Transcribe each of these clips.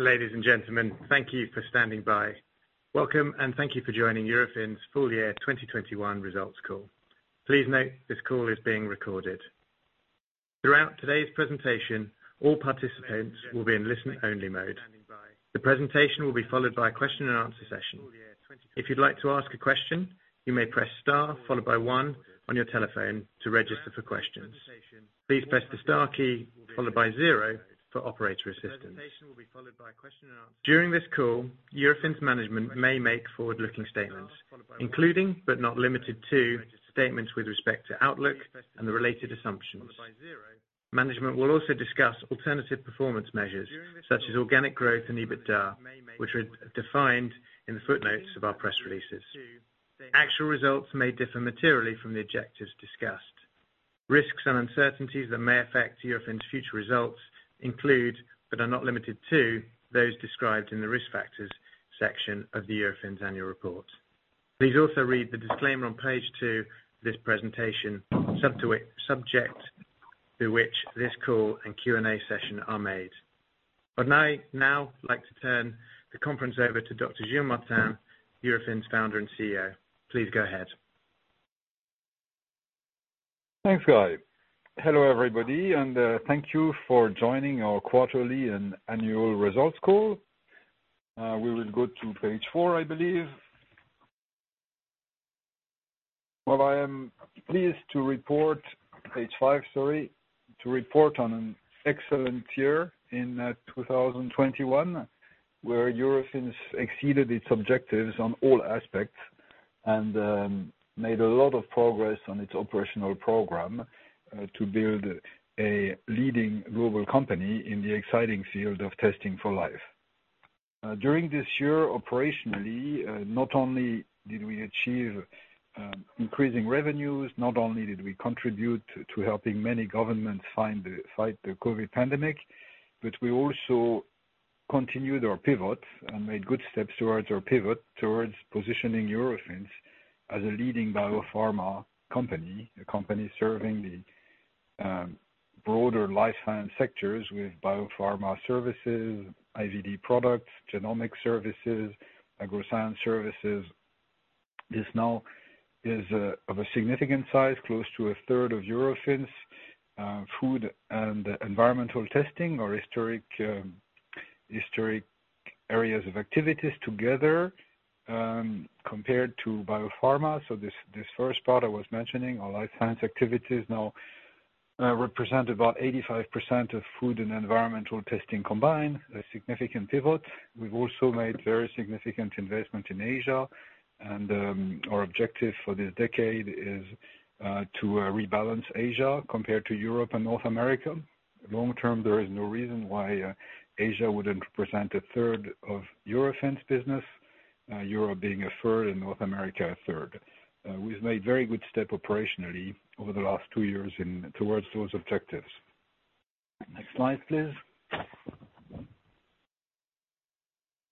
Ladies and gentlemen, thank you for standing by. Welcome and thank you for joining Eurofins full year 2021 results call. Please note, this call is being recorded. Throughout today's presentation, all participants will be in listen only mode. The presentation will be followed by a question and answer session. If you'd like to ask a question, you may press star followed by one on your telephone to register for questions. Please press the star key followed by zero for operator assistance. During this call, Eurofins' management may make forward-looking statements, including but not limited to, statements with respect to outlook and the related assumptions. Management will also discuss alternative performance measures such as organic growth and EBITDA, which are defined in the footnotes of our press releases. Actual results may differ materially from the objectives discussed. Risks and uncertainties that may affect Eurofins' future results include, but are not limited to, those described in the Risk Factors section of the Eurofins annual report. Please also read the disclaimer on page two of this presentation, subject to it, subject to which this call and Q&A session are made. I'd now like to turn the conference over to Dr. Gilles Martin, Eurofins Founder and CEO. Please go ahead. Thanks, guy. Hello, everybody, and thank you for joining our quarterly and annual results call. We will go to page five. Well, I am pleased to report on an excellent year in 2021, where Eurofins exceeded its objectives on all aspects and made a lot of progress on its operational program to build a leading global company in the exciting field of testing for life. During this year, operationally, not only did we achieve increasing revenues, not only did we contribute to helping many governments fight the COVID pandemic, but we also continued our pivot and made good steps towards our pivot towards positioning Eurofins as a leading biopharma company, a company serving the broader life science sectors with biopharma services, IVD products, genomic services, agroscience services. It is of a significant size, close to a third of Eurofins' food and environmental testing or historic areas of activities together, compared to biopharma. This first part I was mentioning, our life science activities now represent about 85% of food and environmental testing combined, a significant pivot. We've also made very significant investment in Asia and our objective for this decade is to rebalance Asia compared to Europe and North America. Long term, there is no reason why Asia wouldn't present 1/3 of Eurofins' business, Europe being 1/3, and North America 1/3. We've made very good step operationally over the last two years towards those objectives. Next slide, please.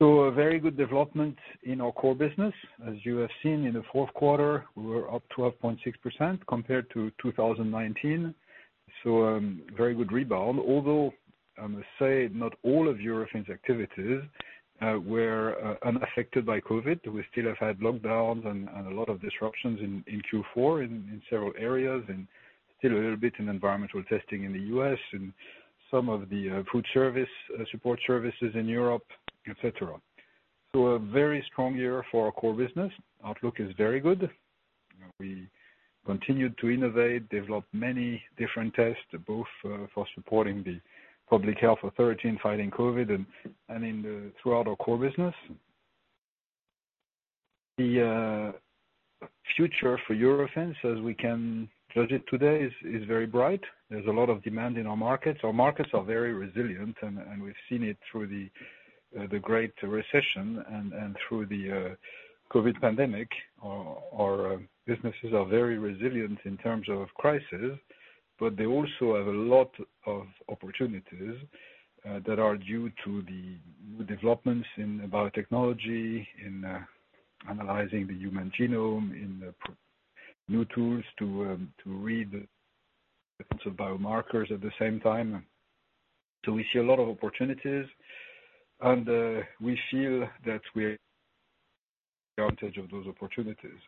So a very good development in our core business. As you have seen in the fourth quarter, we were up 12.6% compared to 2019. So, very good rebound. Although, I must say, not all of Eurofins' activities were unaffected by COVID. We still have had lockdowns and a lot of disruptions in Q4 in several areas and still a little bit in environmental testing in the U.S. and some of the food service support services in Europe, et cetera. A very strong year for our core business. Outlook is very good. We continued to innovate, developed many different tests, both for supporting the public health authority in fighting COVID and throughout our core business. The future for Eurofins, as we can judge it today, is very bright. There's a lot of demand in our markets. Our markets are very resilient and we've seen it through the Great Recession and through the COVID pandemic. Our businesses are very resilient in terms of crisis, but they also have a lot of opportunities that are due to the developments in biotechnology, in analyzing the human genome, in new tools to read the sorts of biomarkers at the same time. We see a lot of opportunities, and we feel that we're taking advantage of those opportunities.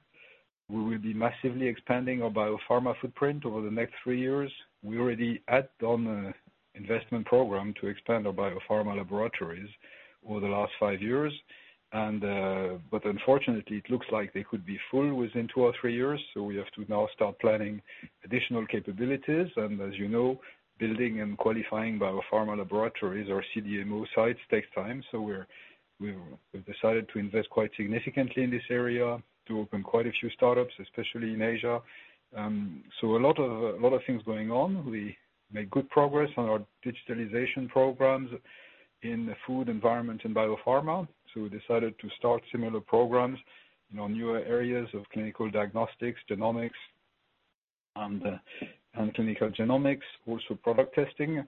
We will be massively expanding our biopharma footprint over the next three years. We already had done an investment program to expand our biopharma laboratories over the last five years. Unfortunately, it looks like they could be full within two or three years. We have to now start planning additional capabilities. As you know, building and qualifying biopharma laboratories or CDMO sites takes time. We've decided to invest quite significantly in this area to open quite a few startups, especially in Asia. A lot of things going on. We made good progress on our digitalization programs in food, environment, and biopharma. We decided to start similar programs in our newer areas of clinical diagnostics, genomics, and clinical genomics, also product testing.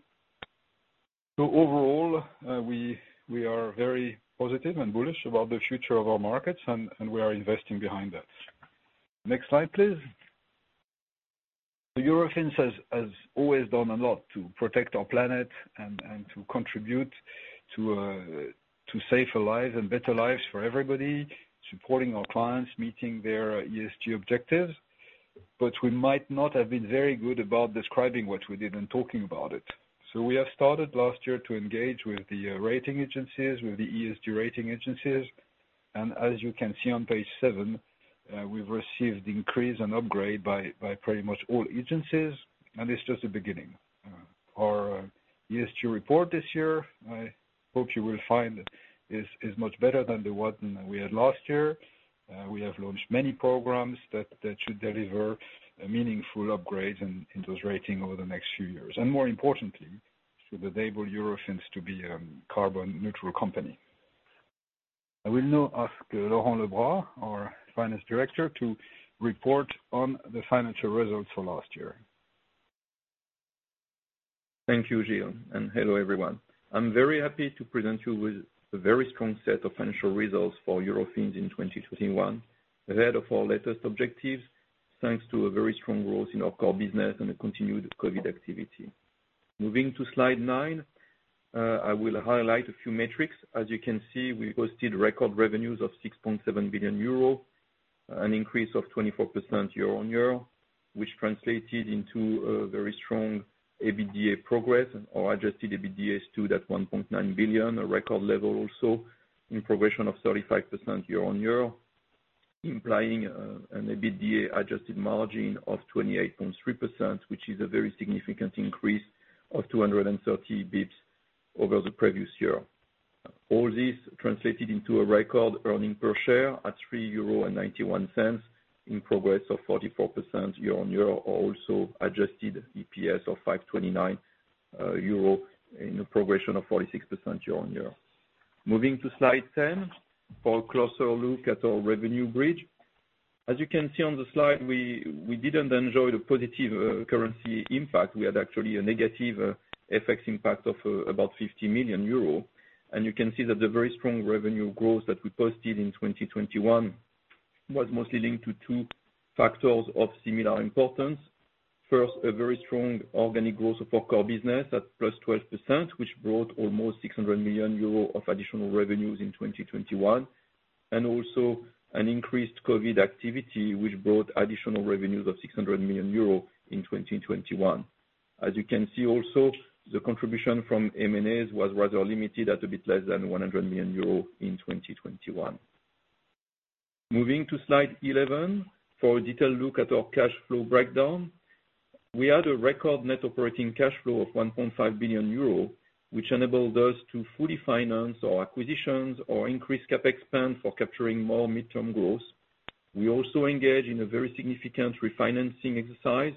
Overall, we are very positive and bullish about the future of our markets, and we are investing behind that. Next slide, please. Eurofins has always done a lot to protect our planet and to contribute to safer lives and better lives for everybody, supporting our clients, meeting their ESG objectives. But we might not have been very good about describing what we did and talking about it. We have started last year to engage with the rating agencies, with the ESG rating agencies. As you can see on page seven, we've received increase and upgrade by pretty much all agencies, and it's just the beginning. Our ESG report this year, I hope you will find is much better than the one we had last year. We have launched many programs that should deliver a meaningful upgrade in those rating over the next few years. More importantly, should enable Eurofins to be a carbon neutral company. I will now ask Laurent Lebras, our Finance Director, to report on the financial results for last year. Thank you, Gilles, and hello, everyone. I'm very happy to present you with a very strong set of financial results for Eurofins in 2021, ahead of our latest objectives, thanks to a very strong growth in our core business and a continued COVID activity. Moving to slide 9, I will highlight a few metrics. As you can see, we posted record revenues of 6.7 billion euro, an increase of 24% year-on-year, which translated into a very strong EBITDA progress or adjusted EBITDA of 1.9 billion, a record level also in progression of 35% year-on-year, implying an adjusted EBITDA margin of 28.3%, which is a very significant increase of 230 basis points over the previous year. All this translated into a record earnings per share at 3.91 euro in progress of 44% year-on-year, also adjusted EPS of 5.29 euro in a progression of 46% year-on-year. Moving to slide 10, for a closer look at our revenue bridge. As you can see on the slide, we didn't enjoy the positive currency impact. We had actually a negative FX impact of about 50 million euro. You can see that the very strong revenue growth that we posted in 2021 was mostly linked to two factors of similar importance. First, a very strong organic growth of our core business at +12%, which brought almost 600 million euro of additional revenues in 2021. There was also an increased COVID activity which brought additional revenues of 600 million euro in 2021. As you can see also, the contribution from M&As was rather limited at a bit less than 100 million euros in 2021. Moving to slide 11, for a detailed look at our cash flow breakdown. We had a record net operating cash flow of 1.5 billion euro, which enabled us to fully finance our acquisitions or increase CapEx spend for capturing more midterm growth. We also engage in a very significant refinancing exercise,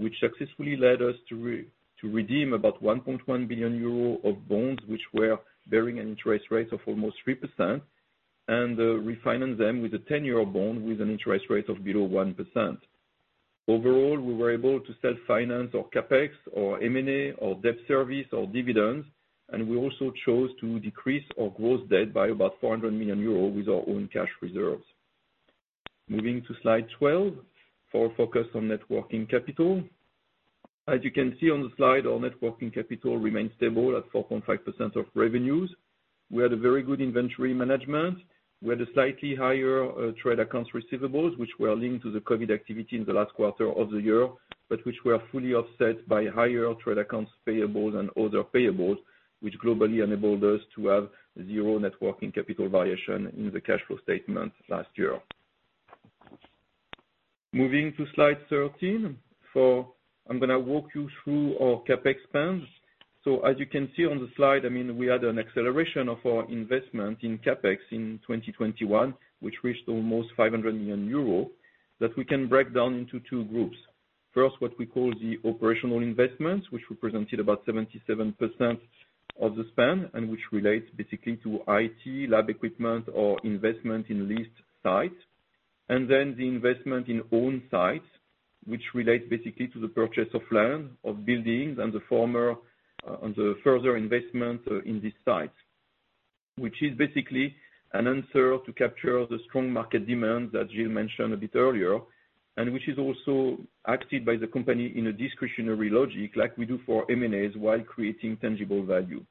which successfully led us to redeem about 1.1 billion euro of bonds, which were bearing an interest rate of almost 3%, and refinance them with a ten-year bond with an interest rate of below 1%. Overall, we were able to self-finance our CapEx, our M&A, our debt service, our dividends, and we also chose to decrease our gross debt by about 400 million euros with our own cash reserves. Moving to slide 12, for a focus on net working capital. As you can see on the slide, our net working capital remains stable at 4.5% of revenues. We had a very good inventory management. We had a slightly higher trade accounts receivables, which were linked to the COVID activity in the last quarter of the year, but which were fully offset by higher trade accounts payables and other payables, which globally enabled us to have zero net working capital variation in the cash flow statement last year. Moving to slide 13, I'm gonna walk you through our CapEx spends. As you can see on the slide, I mean, we had an acceleration of our investment in CapEx in 2021, which reached almost 500 million euros that we can break down into two groups. First, what we call the operational investments, which represented about 77% of the spend and which relates basically to IT, lab equipment or investment in leased sites. The investment in own sites, which relates basically to the purchase of land, of buildings and the fit-out and the further investment in these sites. Which is basically an answer to capture the strong market demands that Gilles mentioned a bit earlier, and which is also adopted by the company in a discretionary logic like we do for M&As while creating tangible value.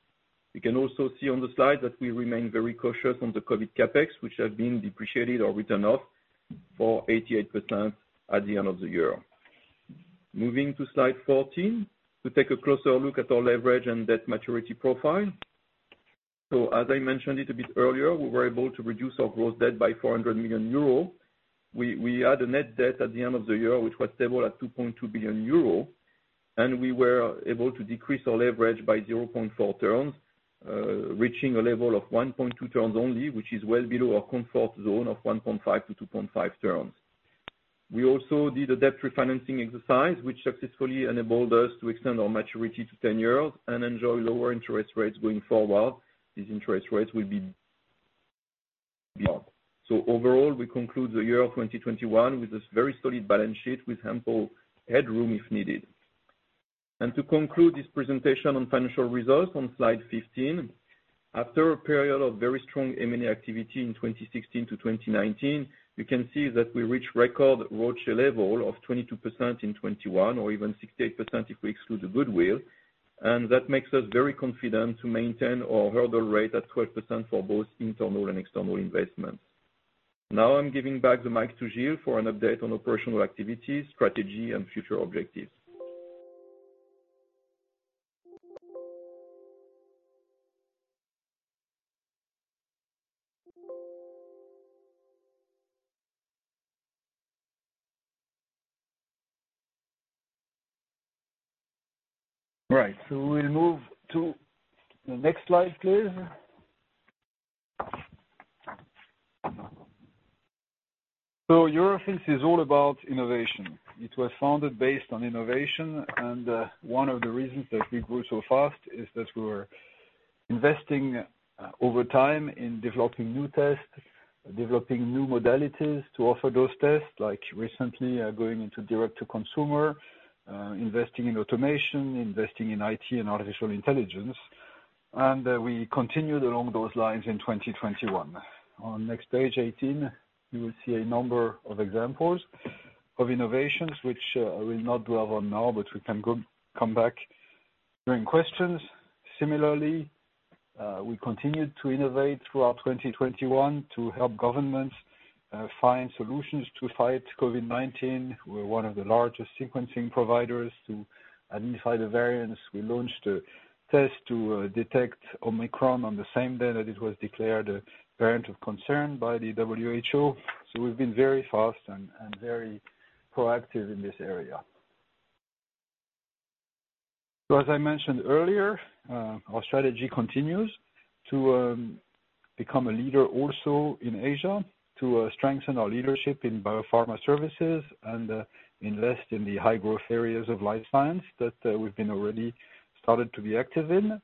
You can also see on the slide that we remain very cautious on the COVID CapEx, which have been depreciated or written off for 88% at the end of the year. Moving to slide 14, to take a closer look at our leverage and debt maturity profile. As I mentioned it a bit earlier, we were able to reduce our gross debt by 400 million euro. We had a net debt at the end of the year, which was stable at 2.2 billion euro, and we were able to decrease our leverage by 0.4x, reaching a level of 1.2x only, which is well below our comfort zone of 1.5x-2.5x. We also did a debt refinancing exercise, which successfully enabled us to extend our maturity to 10 years and enjoy lower interest rates going forward. These interest rates will be down. Overall, we conclude the year 2021 with this very solid balance sheet with ample headroom if needed. To conclude this presentation on financial results on slide 15, after a period of very strong M&A activity in 2016 to 2019, you can see that we reached record ROCE level of 22% in 2021, or even 68% if we exclude the goodwill. That makes us very confident to maintain our hurdle rate at 12% for both internal and external investments. Now I'm giving back the mic to Gilles for an update on operational activities, strategy, and future objectives. Right. We'll move to the next slide, please. Eurofins is all about innovation. It was founded based on innovation, and one of the reasons that we grew so fast is that we were investing over time in developing new tests, developing new modalities to offer those tests, like recently going into direct to consumer, investing in automation, investing in IT and artificial intelligence. We continued along those lines in 2021. On next page 18, you will see a number of examples of innovations which I will not dwell on now, but we can come back during questions. Similarly, we continued to innovate throughout 2021 to help governments find solutions to fight COVID-19. We're one of the largest sequencing providers to identify the variants. We launched a test to detect Omicron on the same day that it was declared a variant of concern by the WHO. We've been very fast and very proactive in this area. As I mentioned earlier, our strategy continues to become a leader also in Asia, to strengthen our leadership in biopharma services and invest in the high growth areas of life science that we've been already started to be active in.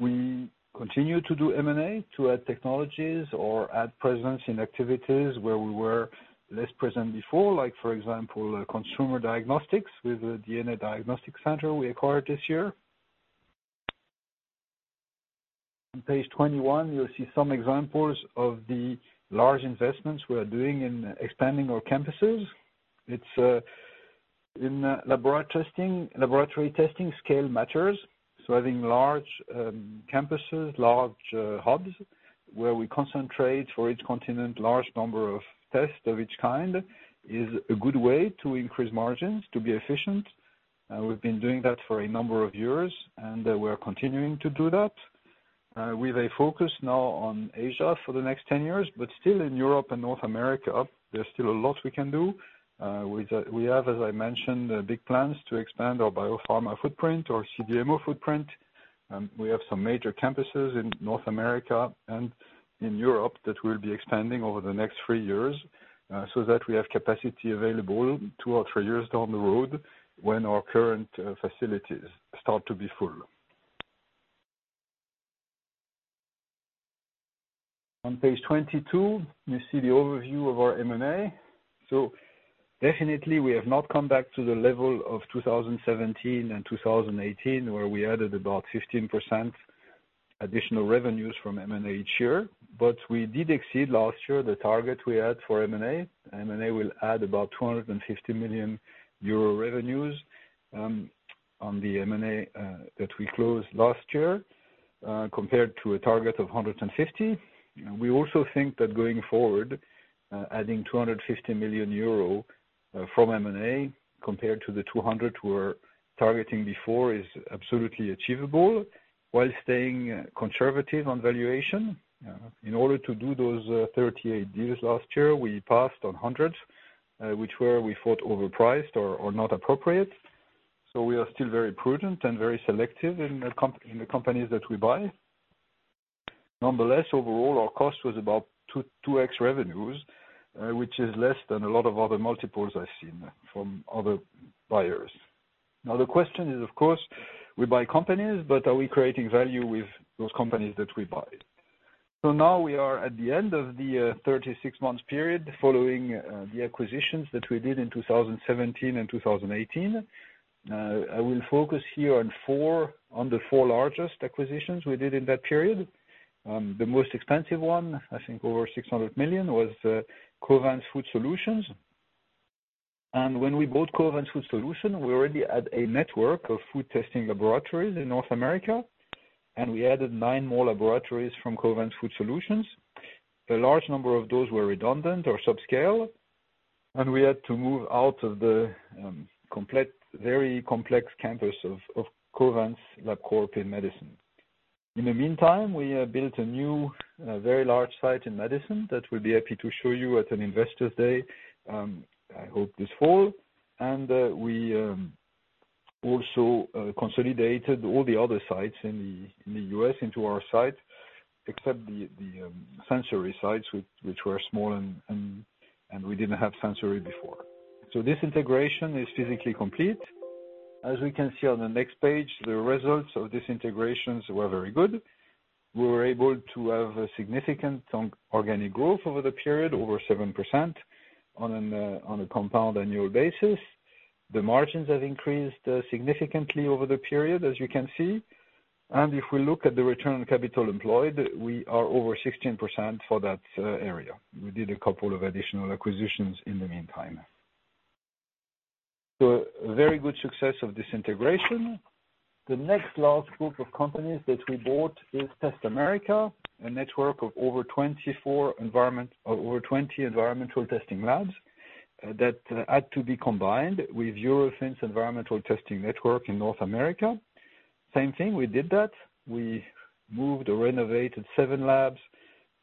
We continue to do M&A to add technologies or add presence in activities where we were less present before, like for example, consumer diagnostics with the DNA Diagnostics Centre we acquired this year. On page 21, you'll see some examples of the large investments we are doing in expanding our campuses. It's in laboratory testing, scale matters. Having large campuses, large hubs, where we concentrate for each continent, large number of tests of each kind, is a good way to increase margins, to be efficient. We've been doing that for a number of years, and we're continuing to do that with a focus now on Asia for the next 10 years. Still in Europe and North America, there's still a lot we can do. We have, as I mentioned, big plans to expand our biopharma footprint, our CDMO footprint. We have some major campuses in North America and in Europe that we'll be expanding over the next three years, so that we have capacity available two or three years down the road when our current facilities start to be full. On page 22, you see the overview of our M&A. Definitely we have not come back to the level of 2017 and 2018, where we added about 15% additional revenues from M&A each year. We did exceed last year the target we had for M&A. M&A will add about 250 million euro revenues on the M&A that we closed last year compared to a target of 150 million. We also think that going forward adding 250 million euro from M&A compared to the 200 we were targeting before is absolutely achievable while staying conservative on valuation. In order to do those 38 deals last year, we passed on hundreds which were, we thought, overpriced or not appropriate. We are still very prudent and very selective in the companies that we buy. Nonetheless, overall, our cost was about 2x revenues, which is less than a lot of other multiples I've seen from other buyers. Now the question is, of course, we buy companies, but are we creating value with those companies that we buy? We are at the end of the 36-month period following the acquisitions that we did in 2017 and 2018. I will focus here on the four largest acquisitions we did in that period. The most expensive one, I think over 600 million, was Covance Food Solutions. When we bought Covance Food Solutions, we already had a network of food testing laboratories in North America, and we added nine more laboratories from Covance Food Solutions. A large number of those were redundant or subscale, and we had to move out of the very complex campus of Covance/Labcorp in Madison. In the meantime, we have built a new very large site in Madison that we'll be happy to show you at an investor's day, I hope this fall. We also consolidated all the other sites in the U.S. into our site, except the sensory sites which were small and we didn't have sensory before. This integration is physically complete. As we can see on the next page, the results of these integrations were very good. We were able to have a significant organic growth over the period, over 7% on a compound annual basis. The margins have increased significantly over the period, as you can see. If we look at the return on capital employed, we are over 16% for that area. We did a couple of additional acquisitions in the meantime. A very good success of this integration. The next large group of companies that we bought is TestAmerica, a network of over 20 environmental testing labs that had to be combined with Eurofins environmental testing network in North America. Same thing, we did that. We moved or renovated seven labs.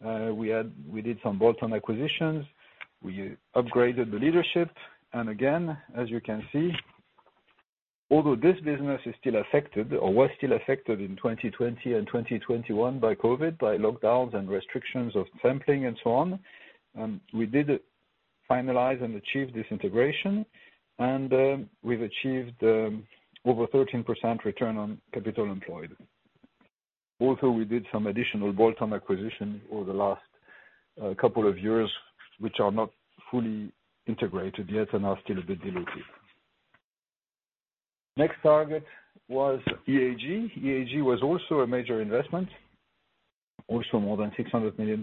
We did some bolt-on acquisitions. We upgraded the leadership. Again, as you can see, although this business is still affected or was still affected in 2020 and 2021 by COVID, by lockdowns, and restrictions of sampling and so on, we did finalize and achieve this integration. We've achieved over 13% return on capital employed. Also, we did some additional bolt-on acquisitions over the last couple of years, which are not fully integrated yet and are still a bit dilutive. Next target was EAG. EAG was also a major investment, also more than $600 million.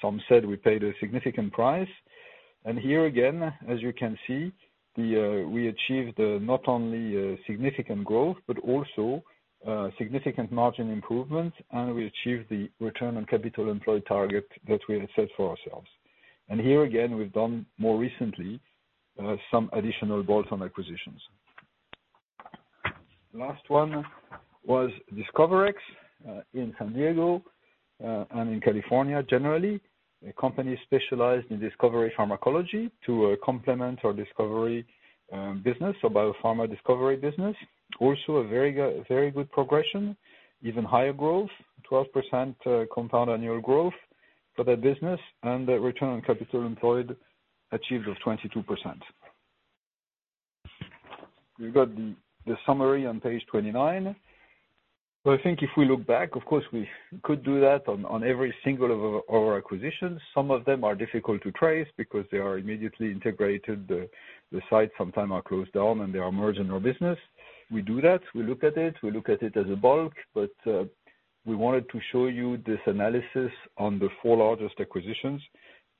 Some said we paid a significant price. Here again, as you can see, we achieved not only significant growth, but also significant margin improvement, and we achieved the return on capital employed target that we had set for ourselves. Here again, we've done more recently some additional bolt-on acquisitions. Last one was DiscoveRx in San Diego and in California, generally. A company specialized in discovery pharmacology to complement our discovery business, so biopharma discovery business. A very good progression, even higher growth, 12% compound annual growth for that business, and a return on capital employed achieved of 22%. We've got the summary on page 29. I think if we look back, of course, we could do that on every single of our acquisitions. Some of them are difficult to trace because they are immediately integrated. The sites sometimes are closed down, and they are merged in our business. We do that. We look at it as a bulk. We wanted to show you this analysis on the four largest acquisitions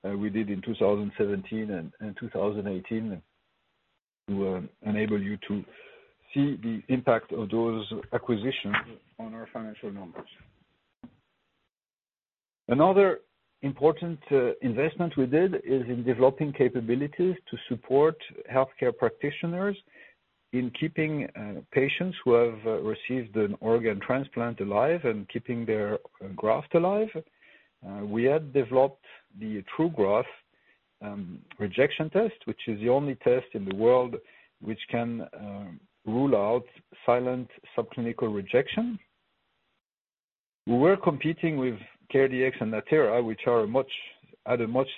we did in 2017 and in 2018 to enable you to see the impact of those acquisitions on our financial numbers. Another important investment we did is in developing capabilities to support healthcare practitioners in keeping patients who have received an organ transplant alive and keeping their graft alive. We had developed the TruGraf rejection test, which is the only test in the world which can rule out silent subclinical rejection. We were competing with CareDx and Natera, which are a much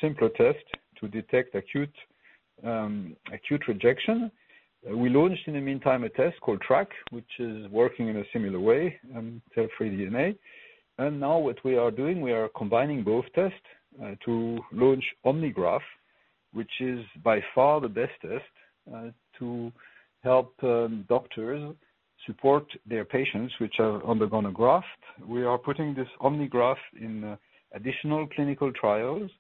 simpler test to detect acute rejection. We launched, in the meantime, a test called TRAC, which is working in a similar way, cell-free DNA. Now what we are doing, we are combining both tests to launch OmniGraf, which is by far the best test to help doctors support their patients which have undergone a graft. We are putting this OmniGraf in additional clinical trials,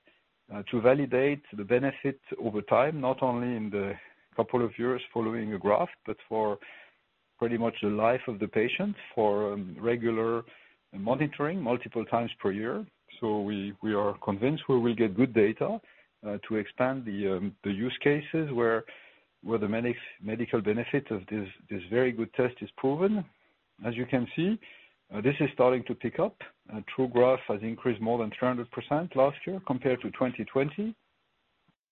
to validate the benefit over time, not only in the couple of years following a graft, but for pretty much the life of the patient, for regular monitoring multiple times per year. We are convinced we will get good data, to expand the use cases where the medical benefit of this very good test is proven. As you can see, this is starting to pick up. TruGraf has increased more than 300% last year compared to 2020.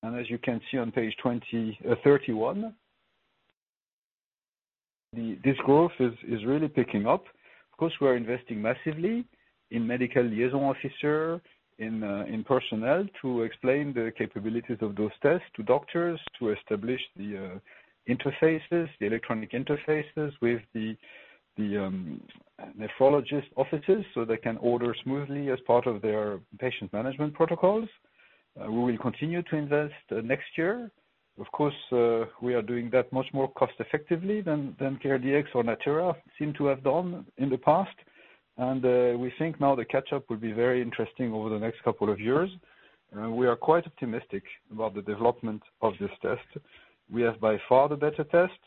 As you can see on page 31, this growth is really picking up. Of course, we are investing massively in medical liaison officer, in personnel to explain the capabilities of those tests to doctors, to establish the interfaces, the electronic interfaces with the nephrologist offices, so they can order smoothly as part of their patient management protocols. We will continue to invest next year. Of course, we are doing that much more cost-effectively than CareDx or Natera seem to have done in the past. We think now the catch-up will be very interesting over the next couple of years. We are quite optimistic about the development of this test. We have by far the better test,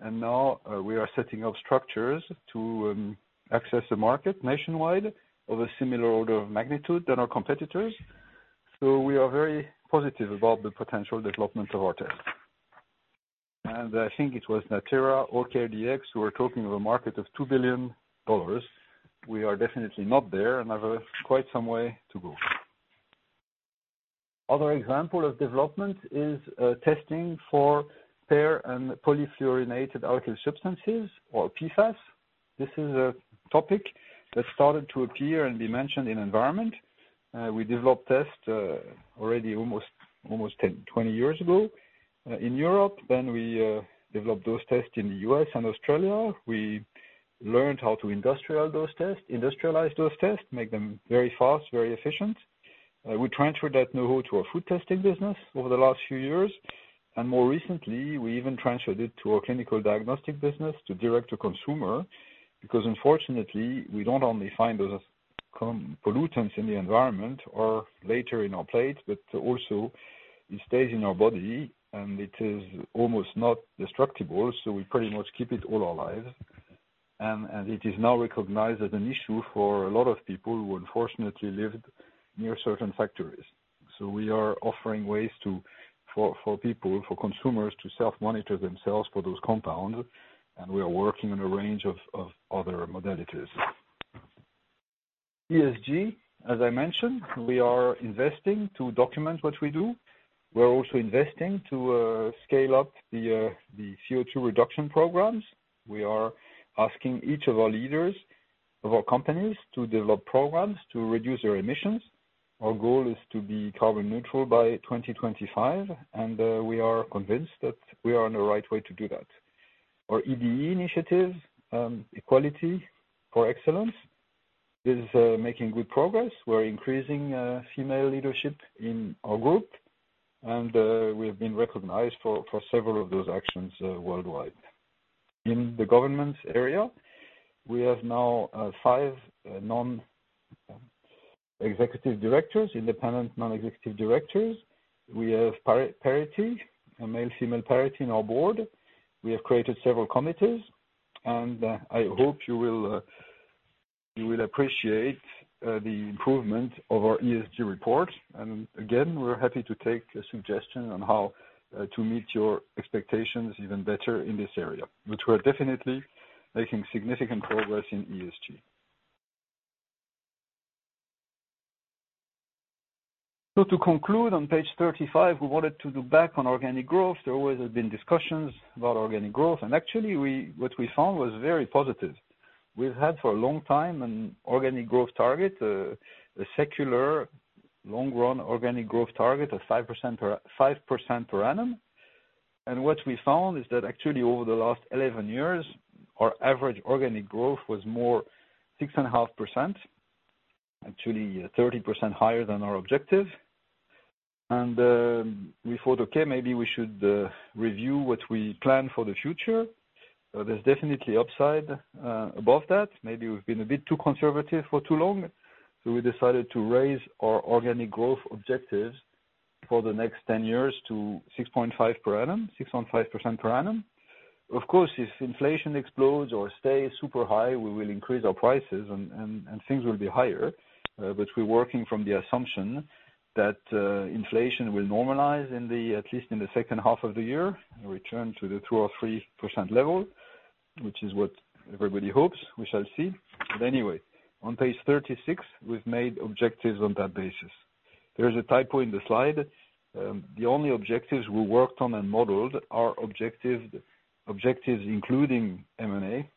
and now we are setting up structures to access the market nationwide of a similar order of magnitude than our competitors. We are very positive about the potential development of our test. I think it was Natera or CareDx who were talking of a market of $2 billion. We are definitely not there and have quite some way to go. Other example of development is testing for per- and polyfluorinated alkyl substances or PFAS. This is a topic that started to appear and be mentioned in environment. We developed tests already almost 20 years ago in Europe. We developed those tests in the U.S. and Australia. We learned how to industrialize those tests, make them very fast, very efficient. We transferred that know-how to our food testing business over the last few years, and more recently, we even transferred it to our clinical diagnostic business to direct-to-consumer. Because unfortunately, we don't only find those compounds in the environment or later in our plate, but also it stays in our body, and it is almost not destructible, so we pretty much keep it all our lives. It is now recognized as an issue for a lot of people who unfortunately lived near certain factories. We are offering ways for people, for consumers to self-monitor themselves for those compounds, and we are working on a range of other modalities. ESG, as I mentioned, we are investing to document what we do. We're also investing to scale up the CO₂ reduction programs. We are asking each of our leaders of our companies to develop programs to reduce their emissions. Our goal is to be carbon neutral by 2025, and we are convinced that we are on the right way to do that. Our EDE initiative, Equality Driving Excellence, is making good progress. We're increasing female leadership in our group, and we have been recognized for several of those actions worldwide. In the governance area, we have now five independent non-executive directors. We have parity, a male/female parity in our board. We have created several committees, and I hope you will appreciate the improvement of our ESG report. Again, we're happy to take a suggestion on how to meet your expectations even better in this area, but we're definitely making significant progress in ESG. To conclude, on page 35, we wanted to look back on organic growth. There always have been discussions about organic growth. Actually, what we found was very positive. We've had for a long time an organic growth target, a secular long-run organic growth target of 5% per annum. What we found is that actually over the last 11 years, our average organic growth was more than 6.5%, actually 30% higher than our objective. We thought, okay, maybe we should review what we plan for the future. There's definitely upside above that. Maybe we've been a bit too conservative for too long. We decided to raise our organic growth objectives for the next 10 years to 6.5% per annum. Of course, if inflation explodes or stays super high, we will increase our prices and things will be higher. We're working from the assumption that inflation will normalize in the, at least in the second half of the year, return to the 2% or 3% level, which is what everybody hopes, we shall see. Anyway, on page 36, we've made objectives on that basis. There is a typo in the slide. The only objectives we worked on and modeled are objectives including M&A.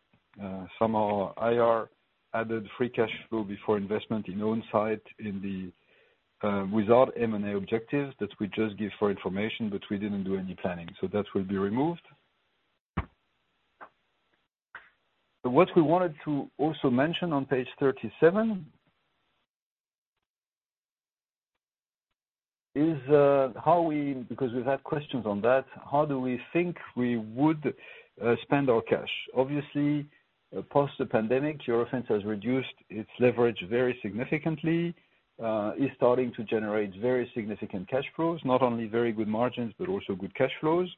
Some are IR added free cash flow before investment in own site in the without M&A objectives that we just give for information, but we didn't do any planning. That will be removed. What we wanted to also mention on page 37 is how we think we would spend our cash? Because we've had questions on that, how do we think we would spend our cash? Obviously, post the pandemic, Eurofins has reduced its leverage very significantly, is starting to generate very significant cash flows, not only very good margins, but also good cash flows.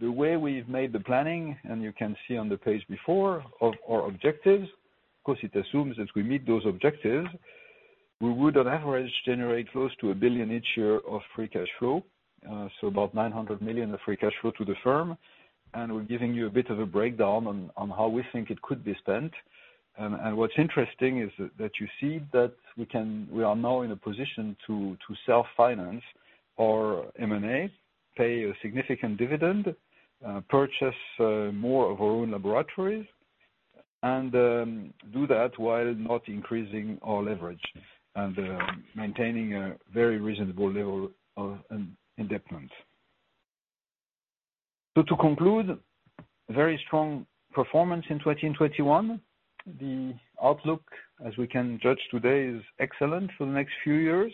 The way we've made the planning, and you can see on the page before of our objectives, of course, it assumes that we meet those objectives, we would on average generate close to 1 billion each year of free cash flow, so about 900 million of free cash flow to the firm. We're giving you a bit of a breakdown on how we think it could be spent. What's interesting is that you see that we are now in a position to self-finance our M&A, pay a significant dividend, purchase more of our own laboratories, and do that while not increasing our leverage and maintaining a very reasonable level of independence. To conclude, very strong performance in 2021. The outlook, as we can judge today, is excellent for the next few years.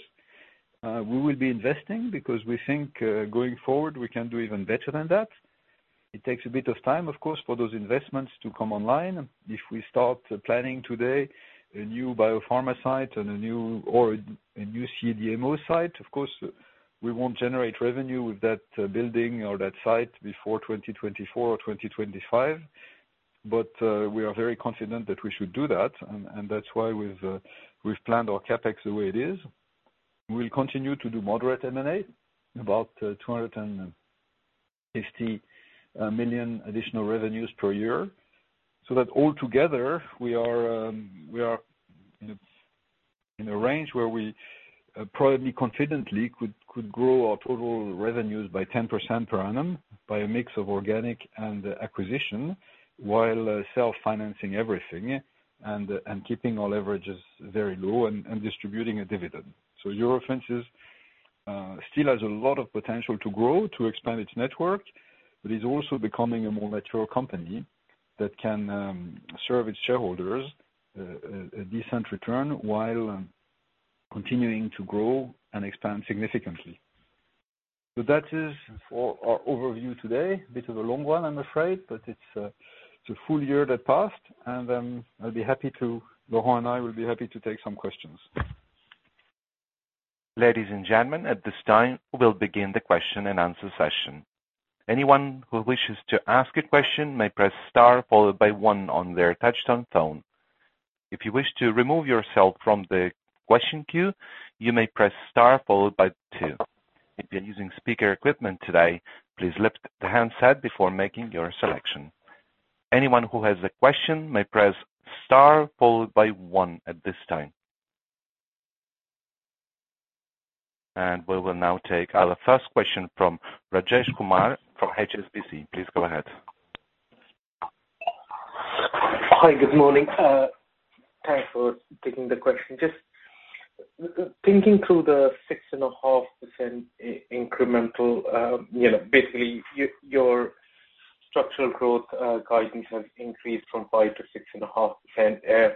We will be investing because we think, going forward, we can do even better than that. It takes a bit of time, of course, for those investments to come online. If we start planning today a new biopharma site and a new CDMO site, of course, we won't generate revenue with that building or that site before 2024 or 2025. We are very confident that we should do that, and that's why we've planned our CapEx the way it is. We'll continue to do moderate M&A, about 250 million additional revenues per year. That all together we are in a range where we probably confidently could grow our total revenues by 10% per annum by a mix of organic and acquisition while self-financing everything and keeping our leverages very low and distributing a dividend. Eurofins is still has a lot of potential to grow, to expand its network, but is also becoming a more mature company that can serve its shareholders a decent return while continuing to grow and expand significantly. That is for our overview today. Bit of a long one, I'm afraid, but it's a full year that passed, and Laurent and I will be happy to take some questions. Ladies and gentlemen, at this time, we'll begin the question-and-answer session. Anyone who wishes to ask a question may press star followed by one on their touch-tone phone. If you wish to remove yourself from the question queue, you may press star followed by two. If you're using speaker equipment today, please lift the handset before making your selection. Anyone who has a question may press star followed by one at this time. We will now take our first question from Rajesh Kumar from HSBC. Please go ahead. Hi. Good morning. Thanks for taking the question. Just thinking through the 6.5% incremental, you know, basically your structural growth guidance has increased from 5%-6.5%.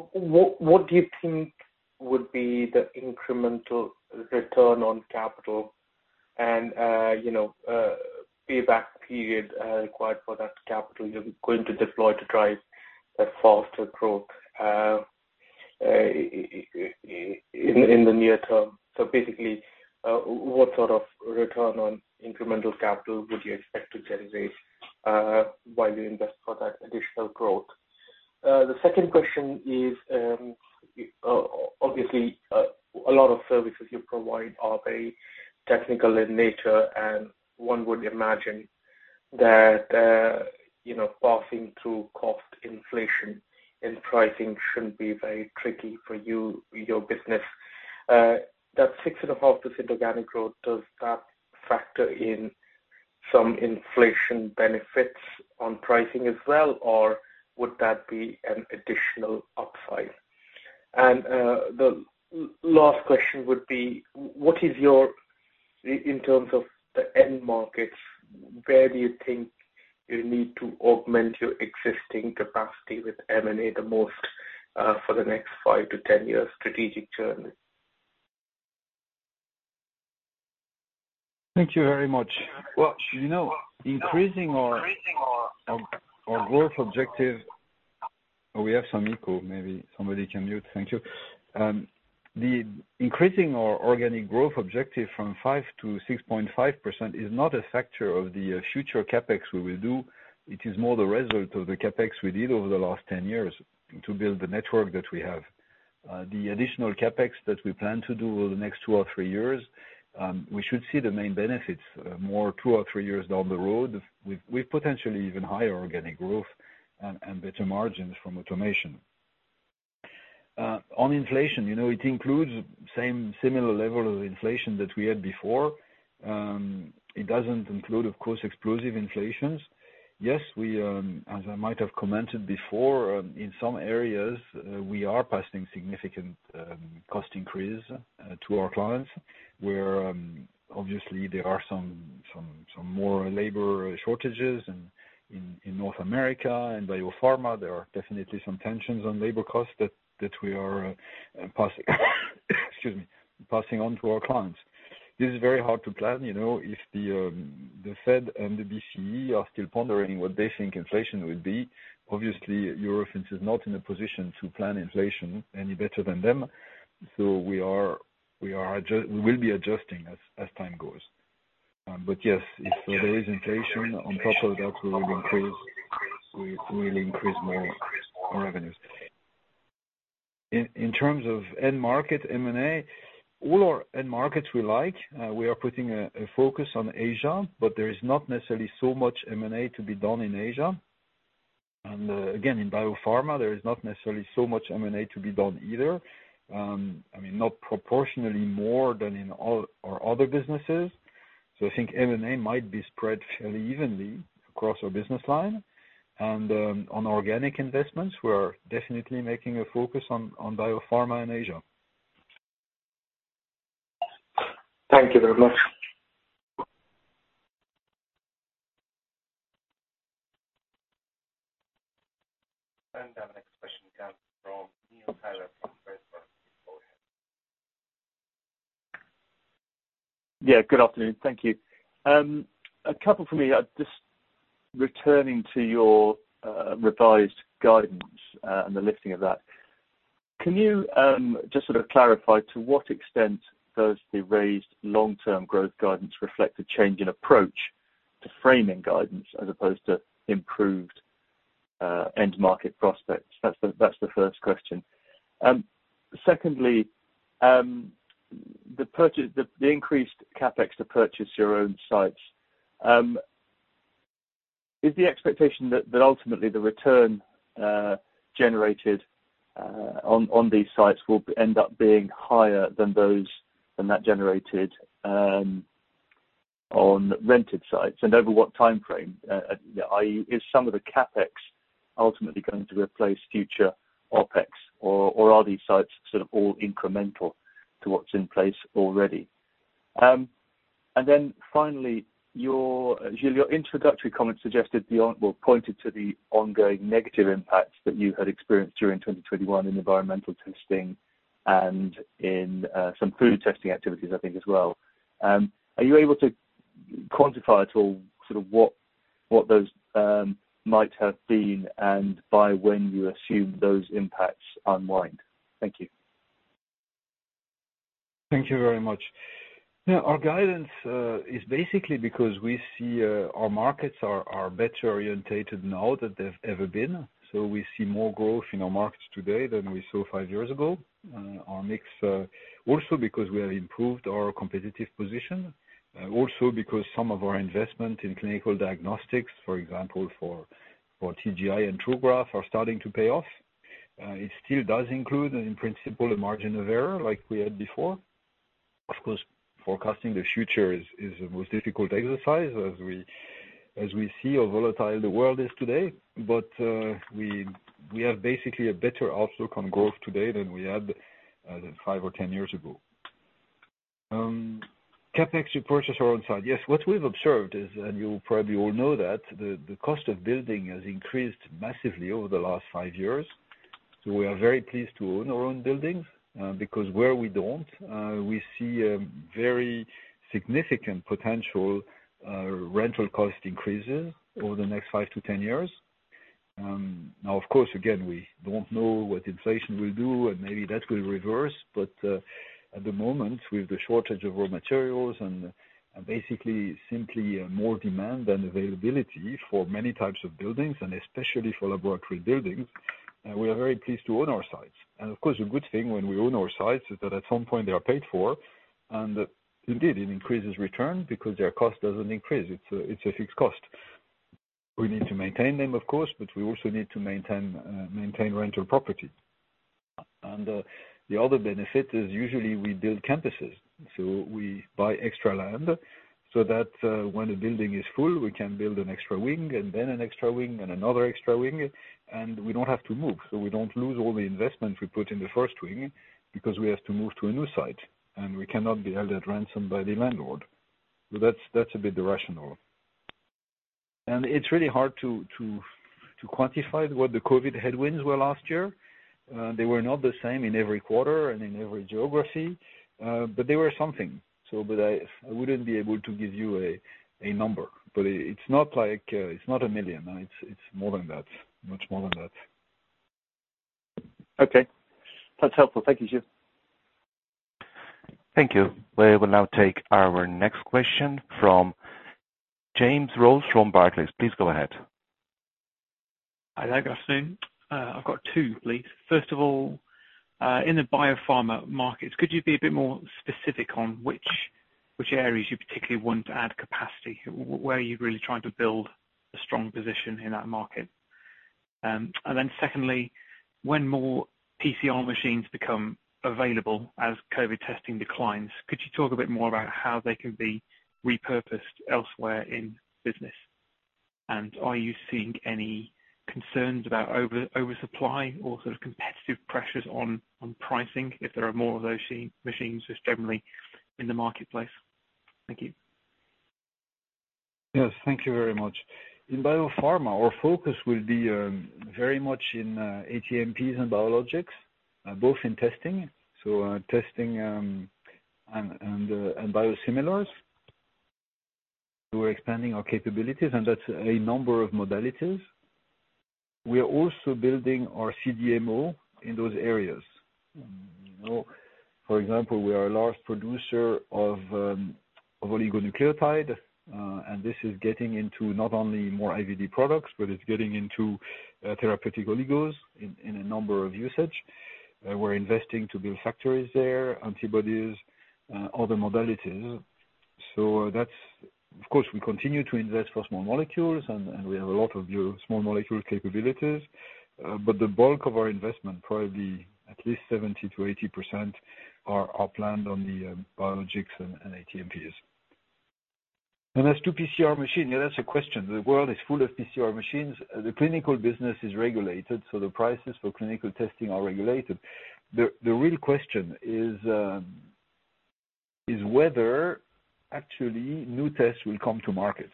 What do you think would be the incremental return on capital and, you know, payback period required for that capital you're going to deploy to drive that faster growth, in the near term? Basically, what sort of return on incremental capital would you expect to generate while you invest for that additional growth? The second question is, obviously, a lot of services you provide are very technical in nature, and one would imagine that, you know, passing through cost inflation and pricing shouldn't be very tricky for you, your business. That 6.5% organic growth, does that factor in some inflation benefits on pricing as well, or would that be an additional upside? The last question would be, what is your, in terms of the end markets, where do you think you need to augment your existing capacity with M&A the most, for the next five- 10-year strategic journey? Thank you very much. Increasing our organic growth objective from 5% to 6.5% is not a factor of the future CapEx we will do. It is more the result of the CapEx we did over the last 10 years to build the network that we have. The additional CapEx that we plan to do over the next two or three years, we should see the main benefits more two to three years down the road with potentially even higher organic growth and better margins from automation. On inflation, you know, it includes the same similar level of inflation that we had before. It doesn't include, of course, explosive inflations. Yes, we as I might have commented before in some areas we are passing significant cost increase to our clients, where obviously there are some more labor shortages in North America and biopharma. There are definitely some tensions on labor costs that we are passing on to our clients. This is very hard to plan, you know. If the Fed and the BCE are still pondering what they think inflation will be, obviously Eurofins is not in a position to plan inflation any better than them. We will be adjusting as time goes. Yes, if there is inflation on top of that, we will increase more our revenues. In terms of end market M&A, all our end markets we like. We are putting a focus on Asia, but there is not necessarily so much M&A to be done in Asia. Again, in biopharma, there is not necessarily so much M&A to be done either, I mean not proportionally more than in all our other businesses. I think M&A might be spread fairly evenly across our business line. On organic investments, we are definitely making a focus on biopharma and Asia. Thank you very much. Our next question comes from Neil Tyler from Redburn. Go ahead. Yeah. Good afternoon. Thank you. A couple from me. Just returning to your revised guidance and the lifting of that, can you just sort of clarify to what extent does the raised long-term growth guidance reflect a change in approach to framing guidance as opposed to improved end market prospects? That's the first question. Secondly, the increased CapEx to purchase your own sites, is the expectation that ultimately the return generated on these sites will end up being higher than that generated on rented sites? And over what time frame? I.e., is some of the CapEx ultimately going to replace future OpEx, or are these sites sort of all incremental to what's in place already? Finally, your introductory comments suggested, well, pointed to the ongoing negative impacts that you had experienced during 2021 in environmental testing and in some food testing activities, I think, as well. Are you able to quantify at all sort of what those might have been and by when you assume those impacts unwind? Thank you. Thank you very much. Yeah, our guidance is basically because we see our markets are better oriented now than they've ever been. We see more growth in our markets today than we saw five years ago. Our mix also because we have improved our competitive position also because some of our investment in clinical diagnostics, for example, for TGI and TruGraf are starting to pay off. It still does include, in principle, a margin of error like we had before. Of course, forecasting the future is the most difficult exercise as we see how volatile the world is today. We have basically a better outlook on growth today than we had than five or 10 years ago. CapEx purchase on site. Yes. What we've observed is, and you probably all know that, the cost of building has increased massively over the last five years. We are very pleased to own our own buildings, because where we don't, we see a very significant potential rental cost increases over the next five to 10 years. Now, of course, again, we don't know what inflation will do, and maybe that will reverse. At the moment, with the shortage of raw materials and basically simply more demand than availability for many types of buildings, and especially for laboratory buildings, we are very pleased to own our sites. Of course, a good thing when we own our sites is that at some point they are paid for, and indeed, it increases return because their cost doesn't increase. It's a fixed cost. We need to maintain them, of course, but we also need to maintain rental property. The other benefit is usually we build campuses. We buy extra land so that when the building is full, we can build an extra wing and then an extra wing and another extra wing, and we don't have to move. We don't lose all the investment we put in the first wing because we have to move to a new site, and we cannot be held at ransom by the landlord. That's a bit the rationale. It's really hard to quantify what the COVID headwinds were last year. They were not the same in every quarter and in every geography, but they were something. I wouldn't be able to give you a number. It's not a million. It's more than that, much more than that. Okay. That's helpful. Thank you, Gilles. Thank you. We will now take our next question from James Rose from Barclays. Please go ahead. Hello, good afternoon. I've got two, please. First of all, in the biopharma markets, could you be a bit more specific on which areas you particularly want to add capacity? Where are you really trying to build a strong position in that market? Secondly, when more PCR machines become available as COVID testing declines, could you talk a bit more about how they can be repurposed elsewhere in business? Are you seeing any concerns about oversupply or sort of competitive pressures on pricing if there are more of those machines just generally in the marketplace? Thank you. Yes, thank you very much. In biopharma, our focus will be very much in ATMPs and biologics, both in testing and biosimilars. We're expanding our capabilities, and that's a number of modalities. We are also building our CDMO in those areas. You know, for example, we are a large producer of oligonucleotide, and this is getting into not only more IVD products, but it's getting into therapeutic oligos in a number of usage. We're investing to build factories there, antibodies, other modalities. So that's. Of course, we continue to invest for small molecules, and we have a lot of new small molecule capabilities. But the bulk of our investment, probably at least 70%-80% are planned on the biologics and ATMPs. As to PCR machine, yeah, that's a question. The world is full of PCR machines. The clinical business is regulated, so the prices for clinical testing are regulated. The real question is whether actually new tests will come to market.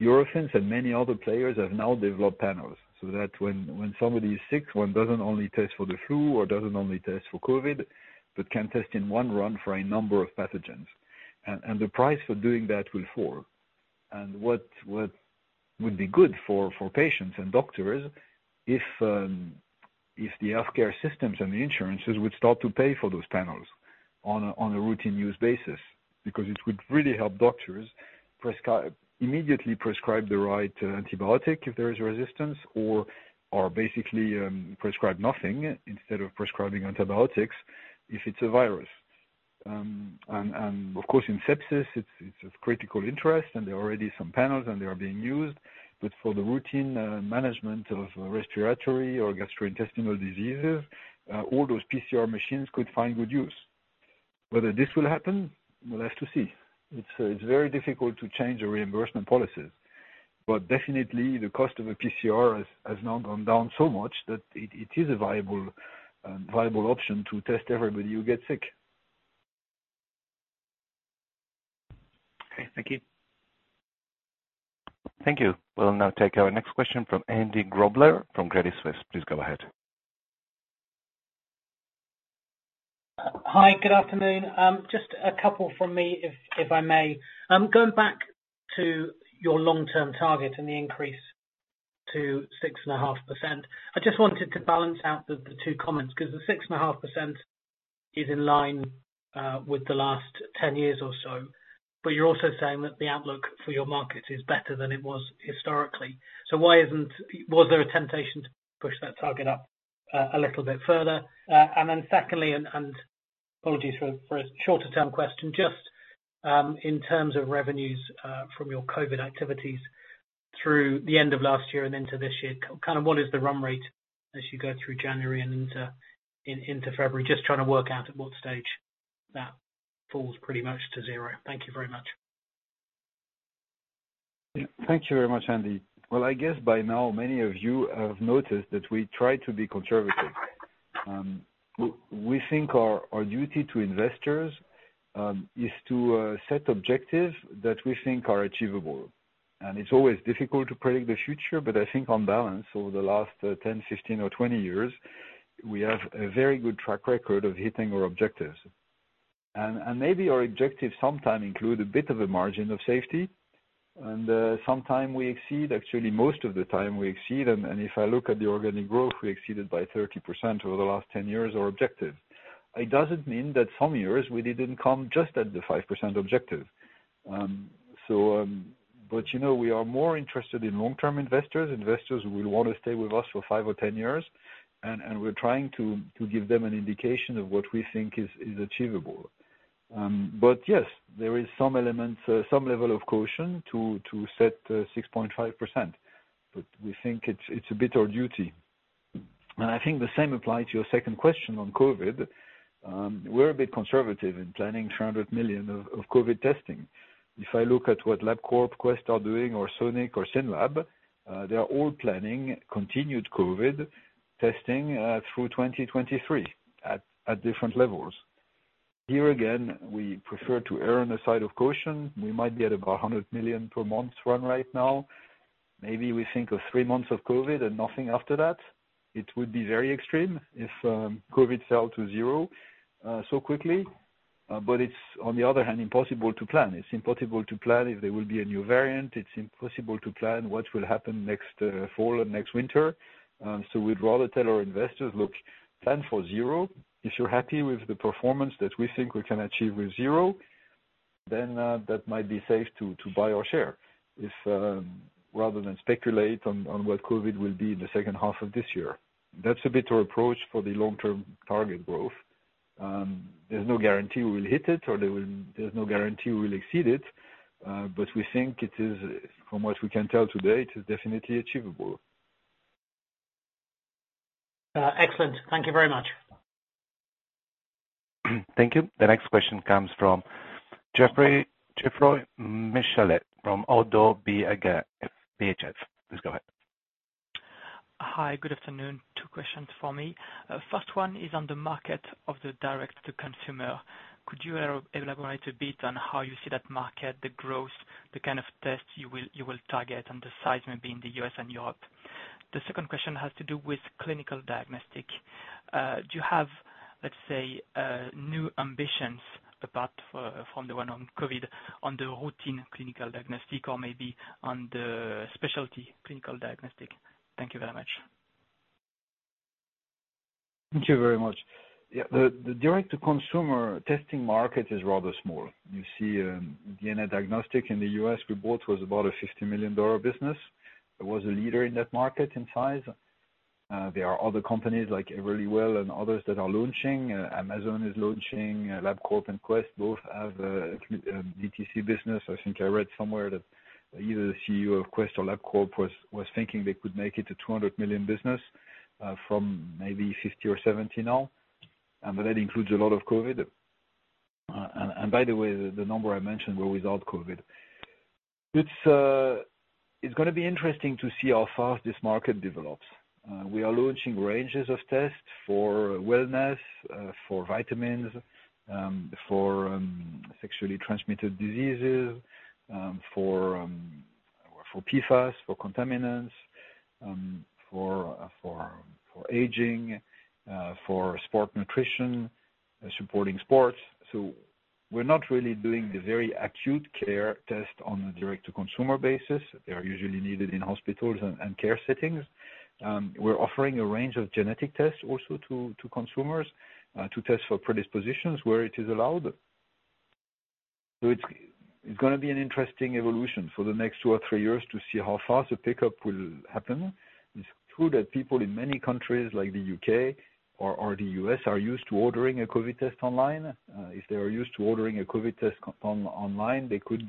Eurofins and many other players have now developed panels, so that when somebody is sick, one doesn't only test for the flu or doesn't only test for COVID, but can test in one run for a number of pathogens. And the price for doing that will fall. And what would be good for patients and doctors if the healthcare systems and the insurances would start to pay for those panels on a routine use basis. Because it would really help doctors immediately prescribe the right antibiotic if there is resistance or basically prescribe nothing instead of prescribing antibiotics if it's a virus. Of course, in sepsis it's of critical interest, and there are already some panels and they are being used. For the routine management of respiratory or gastrointestinal diseases, all those PCR machines could find good use. Whether this will happen, we'll have to see. It's very difficult to change the reimbursement policies. Definitely the cost of a PCR has now gone down so much that it is a viable option to test everybody who gets sick. Okay, thank you. Thank you. We'll now take our next question from Andy Grobler from Credit Suisse. Please go ahead. Hi, good afternoon. Just a couple from me if I may. Going back to your long-term target and the increase to 6.5%, I just wanted to balance out the two comments 'cause the 6.5% is in line with the last 10 years or so, but you're also saying that the outlook for your market is better than it was historically. Was there a temptation to push that target up a little bit further? Secondly, apologies for a shorter term question, just in terms of revenues from your COVID activities through the end of last year and into this year, kind of what is the run rate as you go through January and into February? Just trying to work out at what stage that falls pretty much to zero. Thank you very much. Thank you very much, Andy. Well, I guess by now many of you have noticed that we try to be conservative. We think our duty to investors is to set objectives that we think are achievable. It's always difficult to predict the future, but I think on balance over the last 10, 15, or 20 years, we have a very good track record of hitting our objectives. Maybe our objectives sometimes include a bit of a margin of safety, and sometimes we exceed. Actually, most of the time we exceed. If I look at the organic growth, we exceeded by 30% over the last 10 years our objective. It doesn't mean that some years we didn't come just at the 5% objective. You know, we are more interested in long-term investors who will wanna stay with us for five or ten years. We're trying to give them an indication of what we think is achievable. Yes, there is some elements, some level of caution to set 6.5%. We think it's a bit our duty. I think the same applies to your second question on COVID. We're a bit conservative in planning 300 million of COVID testing. If I look at what Labcorp, Quest are doing or Sonic or SYNLAB, they are all planning continued COVID testing through 2023 at different levels. Here again, we prefer to err on the side of caution. We might be at about 100 million per month run rate right now. Maybe we think of three months of COVID and nothing after that. It would be very extreme if COVID fell to zero so quickly. But it's on the other hand impossible to plan. It's impossible to plan if there will be a new variant. It's impossible to plan what will happen next fall and next winter. So we'd rather tell our investors, "Look, plan for zero. If you're happy with the performance that we think we can achieve with zero, then that might be safe to buy our share." Rather than speculate on what COVID will be in the second half of this year. That's a bit our approach for the long-term target growth. There's no guarantee we'll hit it or there's no guarantee we'll exceed it. We think it is from what we can tell today. It is definitely achievable. Excellent. Thank you very much. Thank you. The next question comes from Geoffroy Michalet from ODDO BHF. Please go ahead. Hi, good afternoon. Two questions for me. First one is on the market of the direct to consumer. Could you elaborate a bit on how you see that market, the growth, the kind of tests you will target, and the size maybe in the US and Europe? The second question has to do with clinical diagnostic. Do you have, let's say, new ambitions apart from the one on COVID on the routine clinical diagnostic or maybe on the specialty clinical diagnostic? Thank you very much. Thank you very much. Yeah. The direct to consumer testing market is rather small. You see, DNA Diagnostics Centre in the US we bought was about a EUR 50 million business. It was a leader in that market in size. There are other companies like Everlywell and others that are launching. Amazon is launching. Labcorp and Quest both have DTC business. I think I read somewhere that either the CEO of Quest or Labcorp was thinking they could make it a 200 million business from maybe 50 or 70 now, but that includes a lot of COVID. By the way, the number I mentioned were without COVID. It's gonna be interesting to see how fast this market develops. We are launching ranges of tests for wellness, for vitamins, for sexually transmitted diseases, for PFAS, for contaminants, for aging, for sport nutrition, supporting sports. We're not really doing the very acute care test on a direct to consumer basis. They are usually needed in hospitals and care settings. We're offering a range of genetic tests also to consumers, to test for predispositions where it is allowed. It's gonna be an interesting evolution for the next two or three years to see how fast the pickup will happen. It's true that people in many countries, like the U.K. or the U.S., are used to ordering a COVID test online. If they are used to ordering a COVID test online, they could,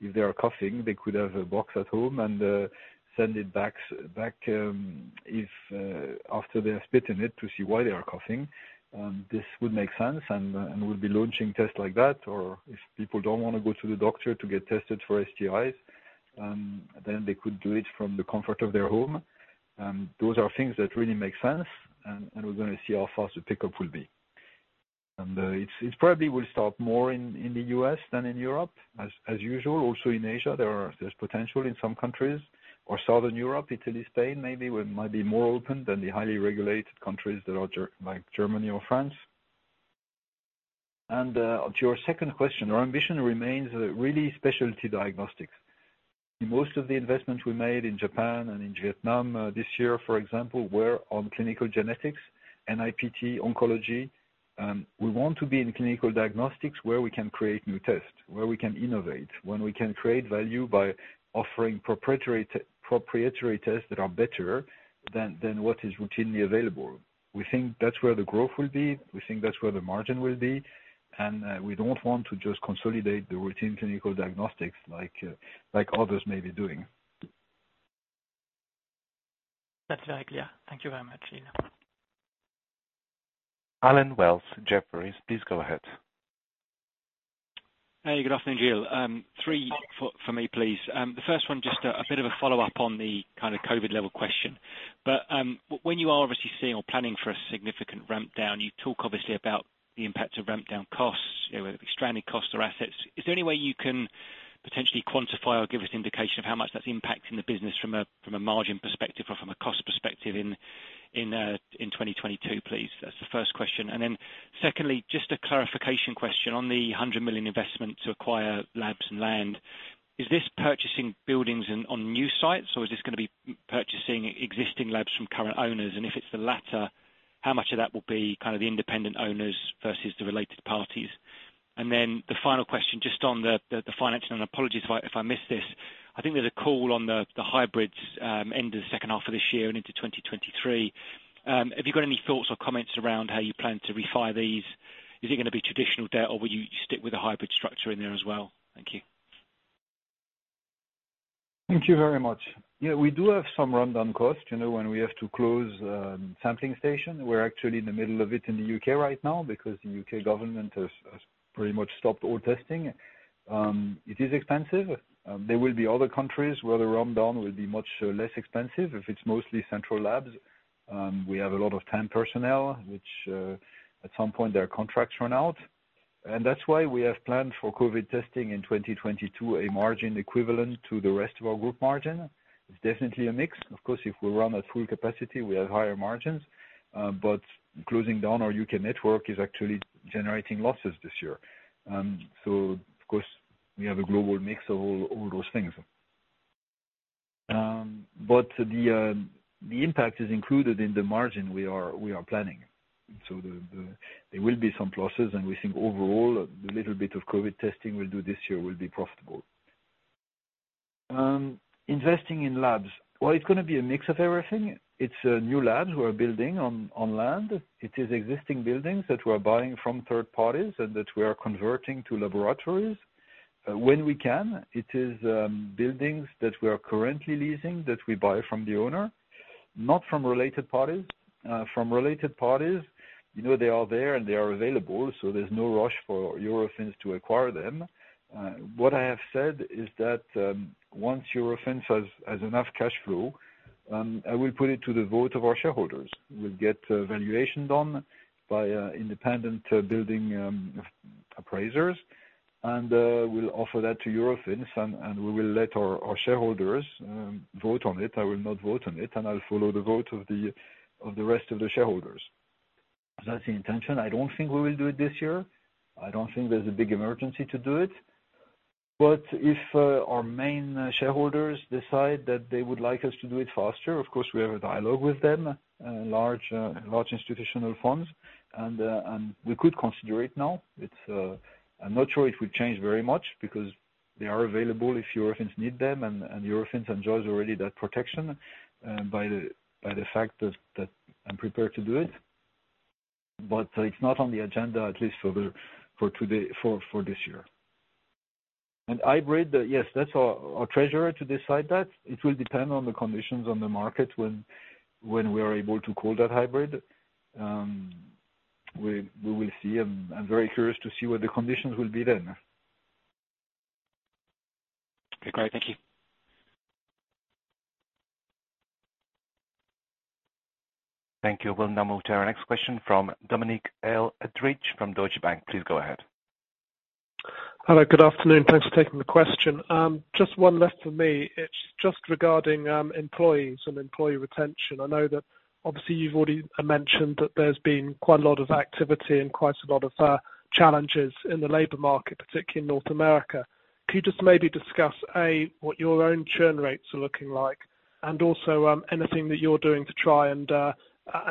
if they are coughing, they could have a box at home and send it back after they spit in it to see why they are coughing. This would make sense and we'll be launching tests like that. Or if people don't wanna go to the doctor to get tested for STIs, then they could do it from the comfort of their home. Those are things that really make sense and we're gonna see how fast the pickup will be. It probably will start more in the U.S. than in Europe, as usual. Also in Asia, there's potential in some countries or Southern Europe, Italy, Spain, maybe where it might be more open than the highly regulated countries that are like Germany or France. To your second question, our ambition remains really specialty diagnostics. Most of the investments we made in Japan and in Vietnam this year, for example, were on clinical genetics and IHC oncology. We want to be in clinical diagnostics where we can create new tests, where we can innovate, when we can create value by offering proprietary tests that are better than what is routinely available. We think that's where the growth will be. We think that's where the margin will be, and we don't want to just consolidate the routine clinical diagnostics like others may be doing. That's very clear. Thank you very much, Gilles. Allen Wells, Jefferies, please go ahead. Hey, good afternoon, Gilles. three for me, please. The first one, just a bit of a follow-up on the kinda COVID level question. When you are obviously seeing or planning for a significant ramp down, you talk obviously about the impact of ramp down costs, you know, stranded costs or assets. Is there any way you can potentially quantify or give us indication of how much that's impacting the business from a margin perspective or from a cost perspective in 2022, please? That's the first question. Secondly, just a clarification question on the 100 million investment to acquire labs and land. Is this purchasing buildings on new sites, or is this gonna be purchasing existing labs from current owners? If it's the latter, how much of that will be kind of the independent owners versus the related parties? The final question, just on the financing, and apologies if I miss this. I think there's a call on the hybrids end of the second half of this year and into 2023. Have you got any thoughts or comments around how you plan to refi these? Is it gonna be traditional debt, or will you stick with the hybrid structure in there as well? Thank you. Thank you very much. Yeah, we do have some rundown costs, you know, when we have to close sampling station. We're actually in the middle of it in the U.K. right now because the U.K. government has pretty much stopped all testing. It is expensive. There will be other countries where the rundown will be much less expensive if it's mostly central labs. We have a lot of temp personnel, which at some point their contracts run out. That's why we have planned for COVID testing in 2022, a margin equivalent to the rest of our group margin. It's definitely a mix. Of course, if we run at full capacity, we have higher margins, but closing down our U.K. network is actually generating losses this year. Of course, we have a global mix of all those things. The impact is included in the margin we are planning. There will be some losses, and we think overall, the little bit of COVID testing we'll do this year will be profitable. Investing in labs. Well, it's gonna be a mix of everything. It's new labs we're building on land. It is existing buildings that we're buying from third parties and that we are converting to laboratories. When we can, it is buildings that we are currently leasing that we buy from the owner, not from related parties. From related parties, you know, they are there and they are available, there's no rush for Eurofins to acquire them. What I have said is that, once Eurofins has enough cash flow, I will put it to the vote of our shareholders. We'll get a valuation done by independent building appraisers, and we'll offer that to Eurofins, and we will let our shareholders vote on it. I will not vote on it, and I'll follow the vote of the rest of the shareholders. That's the intention. I don't think we will do it this year. I don't think there's a big emergency to do it. But if our main shareholders decide that they would like us to do it faster, of course, we have a dialogue with them, large institutional funds, and we could consider it now. It's, I'm not sure if we change very much because they are available if Eurofins need them, and Eurofins enjoys already that protection by the fact that I'm prepared to do it. It's not on the agenda, at least for today, for this year. Hybrid, yes, that's our treasurer to decide that. It will depend on the conditions on the market when we are able to call that hybrid. We will see. I'm very curious to see what the conditions will be then. Okay, great. Thank you. Thank you. We'll now move to our next question from Dominic Edridge from Deutsche Bank. Please go ahead. Hello, good afternoon. Thanks for taking the question. Just one left for me. It's just regarding employees and employee retention. I know that obviously you've already mentioned that there's been quite a lot of activity and quite a lot of challenges in the labor market, particularly in North America. Can you just maybe discuss what your own churn rates are looking like and also anything that you're doing to try and improve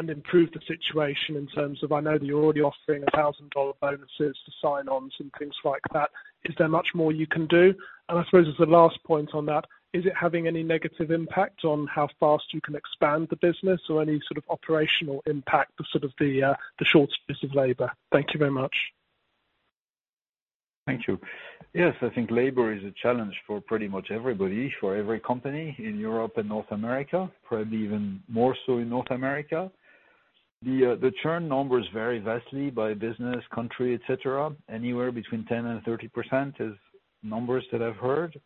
the situation in terms of I know that you're already offering $1,000 bonuses to sign-ons and things like that. Is there much more you can do? I suppose as the last point on that, is it having any negative impact on how fast you can expand the business or any sort of operational impact of sort of the shortages of labor? Thank you very much. Thank you. Yes. I think labor is a challenge for pretty much everybody, for every company in Europe and North America, probably even more so in North America. The churn numbers vary vastly by business, country, et cetera. Anywhere between 10%-30% is numbers that I've heard,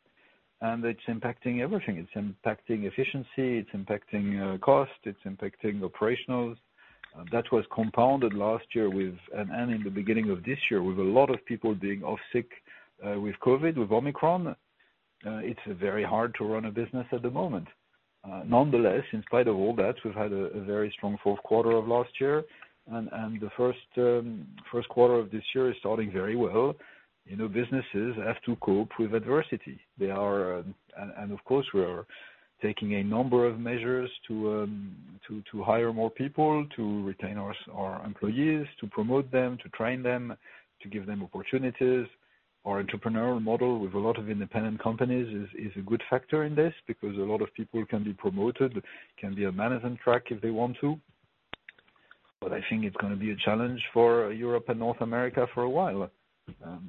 and it's impacting everything. It's impacting efficiency, it's impacting cost, it's impacting operationals. That was compounded last year and in the beginning of this year with a lot of people being off sick with COVID, with Omicron. It's very hard to run a business at the moment. Nonetheless, in spite of all that, we've had a very strong fourth quarter of last year and the first quarter of this year is starting very well. You know, businesses have to cope with adversity. They are. Of course, we are taking a number of measures to hire more people, to retain our employees, to promote them, to train them, to give them opportunities. Our entrepreneurial model with a lot of independent companies is a good factor in this because a lot of people can be promoted, can be on management track if they want to. I think it's gonna be a challenge for Europe and North America for a while.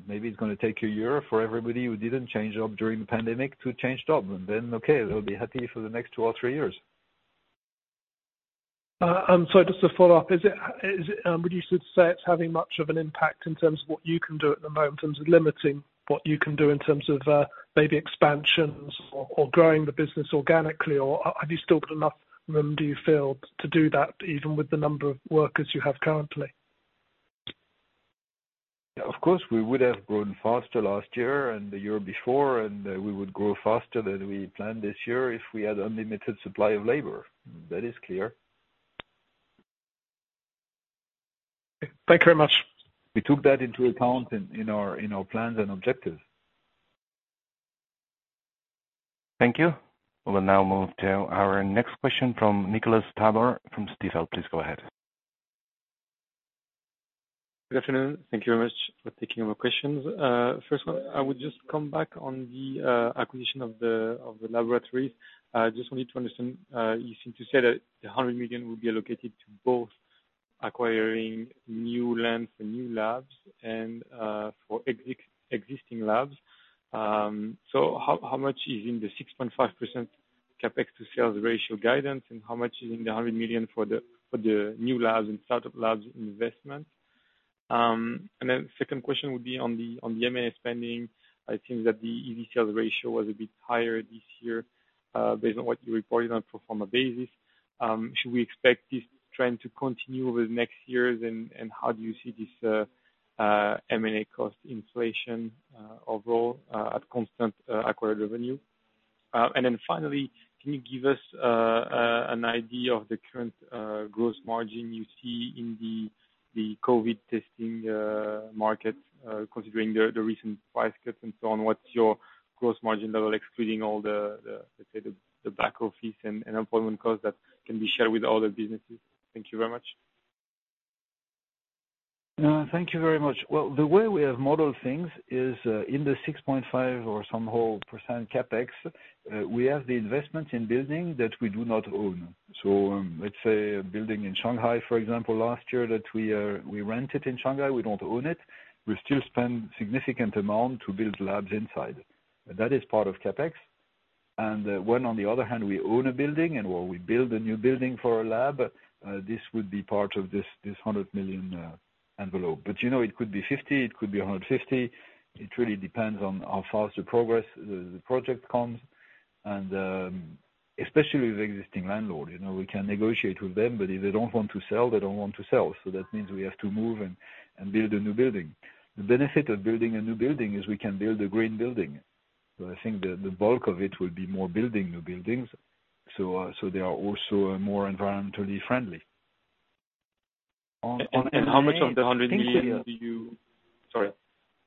Maybe it's gonna take a year for everybody who didn't change job during the pandemic to change job and then, okay, they'll be happy for the next two or three years. Just to follow up, would you say it's having much of an impact in terms of what you can do at the moment in terms of limiting what you can do in terms of maybe expansions or growing the business organically, or have you still got enough room, do you feel, to do that, even with the number of workers you have currently? Of course, we would have grown faster last year and the year before, and we would grow faster than we planned this year if we had unlimited supply of labor. That is clear. Thank you very much. We took that into account in our plans and objectives. Thank you. We'll now move to our next question from Nicolas Tabor from Stifel. Please go ahead. Good afternoon. Thank you very much for taking our questions. First one, I would just come back on the acquisition of the laboratories. Just wanted to understand, you seem to say that the 100 million will be allocated to both acquiring new lands and new labs and for existing labs. So how much is in the 6.5% CapEx to sales ratio guidance, and how much is in the 100 million for the new labs and start-up labs investment? Second question would be on the M&A spending. It seems that the EV sales ratio was a bit higher this year, based on what you reported on pro forma basis. Should we expect this trend to continue over the next years, and how do you see this M&A cost inflation overall at constant acquired revenue? Finally, can you give us an idea of the current gross margin you see in the COVID testing market, considering the recent price cuts and so on? What's your gross margin level excluding all the, let's say, the back office and appointment costs that can be shared with other businesses? Thank you very much. Thank you very much. Well, the way we have modeled things is, in the 6.5 or so percent CapEx, we have the investment in building that we do not own. Let's say a building in Shanghai, for example, last year that we rented in Shanghai, we don't own it. We still spend significant amount to build labs inside. That is part of CapEx. When, on the other hand, we own a building and where we build a new building for a lab, this would be part of this 100 million envelope. You know, it could be 50 million, it could be 150 million. It really depends on how fast the progress, the project comes and, especially with existing landlord, you know. We can negotiate with them, but if they don't want to sell. That means we have to move and build a new building. The benefit of building a new building is we can build a green building. I think the bulk of it will be more building new buildings, so they are also more environmentally friendly. How much of the 100 million do you Thanks, Nicolas. Sorry.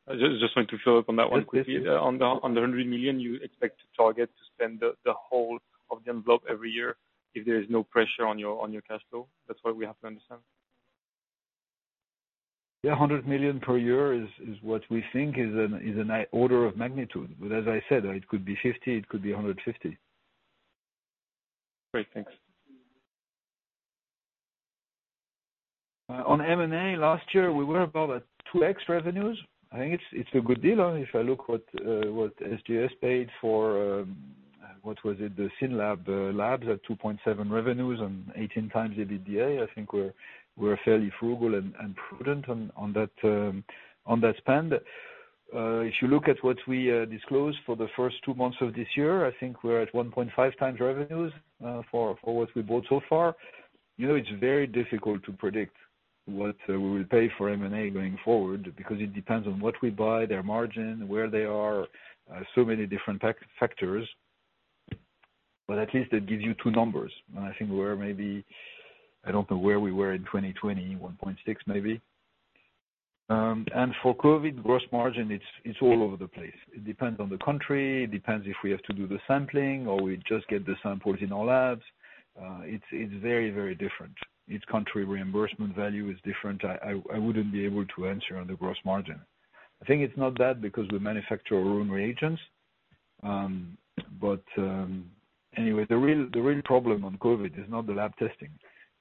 I just want to follow up on that one quickly. Yes, please. On the 100 million you expect to target to spend the whole of the envelope every year if there is no pressure on your cash flow? That's what we have to understand. Yeah, 100 million per year is what we think is an order of magnitude. As I said, it could be 50 million, it could be 150 million. Great. Thanks. On M&A, last year, we were about at 2x revenues. I think it's a good deal. If I look what SGS paid for, what was it? The SYNLAB labs at 2.7x revenues and 18x the EBITDA, I think we're fairly frugal and prudent on that spend. If you look at what we disclosed for the first two months of this year, I think we're at 1.5 times revenues for what we bought so far. You know, it's very difficult to predict what we will pay for M&A going forward because it depends on what we buy, their margin, where they are, so many different factors. At least it gives you two numbers. I think we're maybe. I don't know where we were in 2020, 1.6, maybe. For COVID gross margin, it's all over the place. It depends on the country. It depends if we have to do the sampling or we just get the samples in our labs. It's very different. Each country reimbursement value is different. I wouldn't be able to answer on the gross margin. I think it's not bad because we manufacture our own reagents. Anyway, the real problem on COVID is not the lab testing,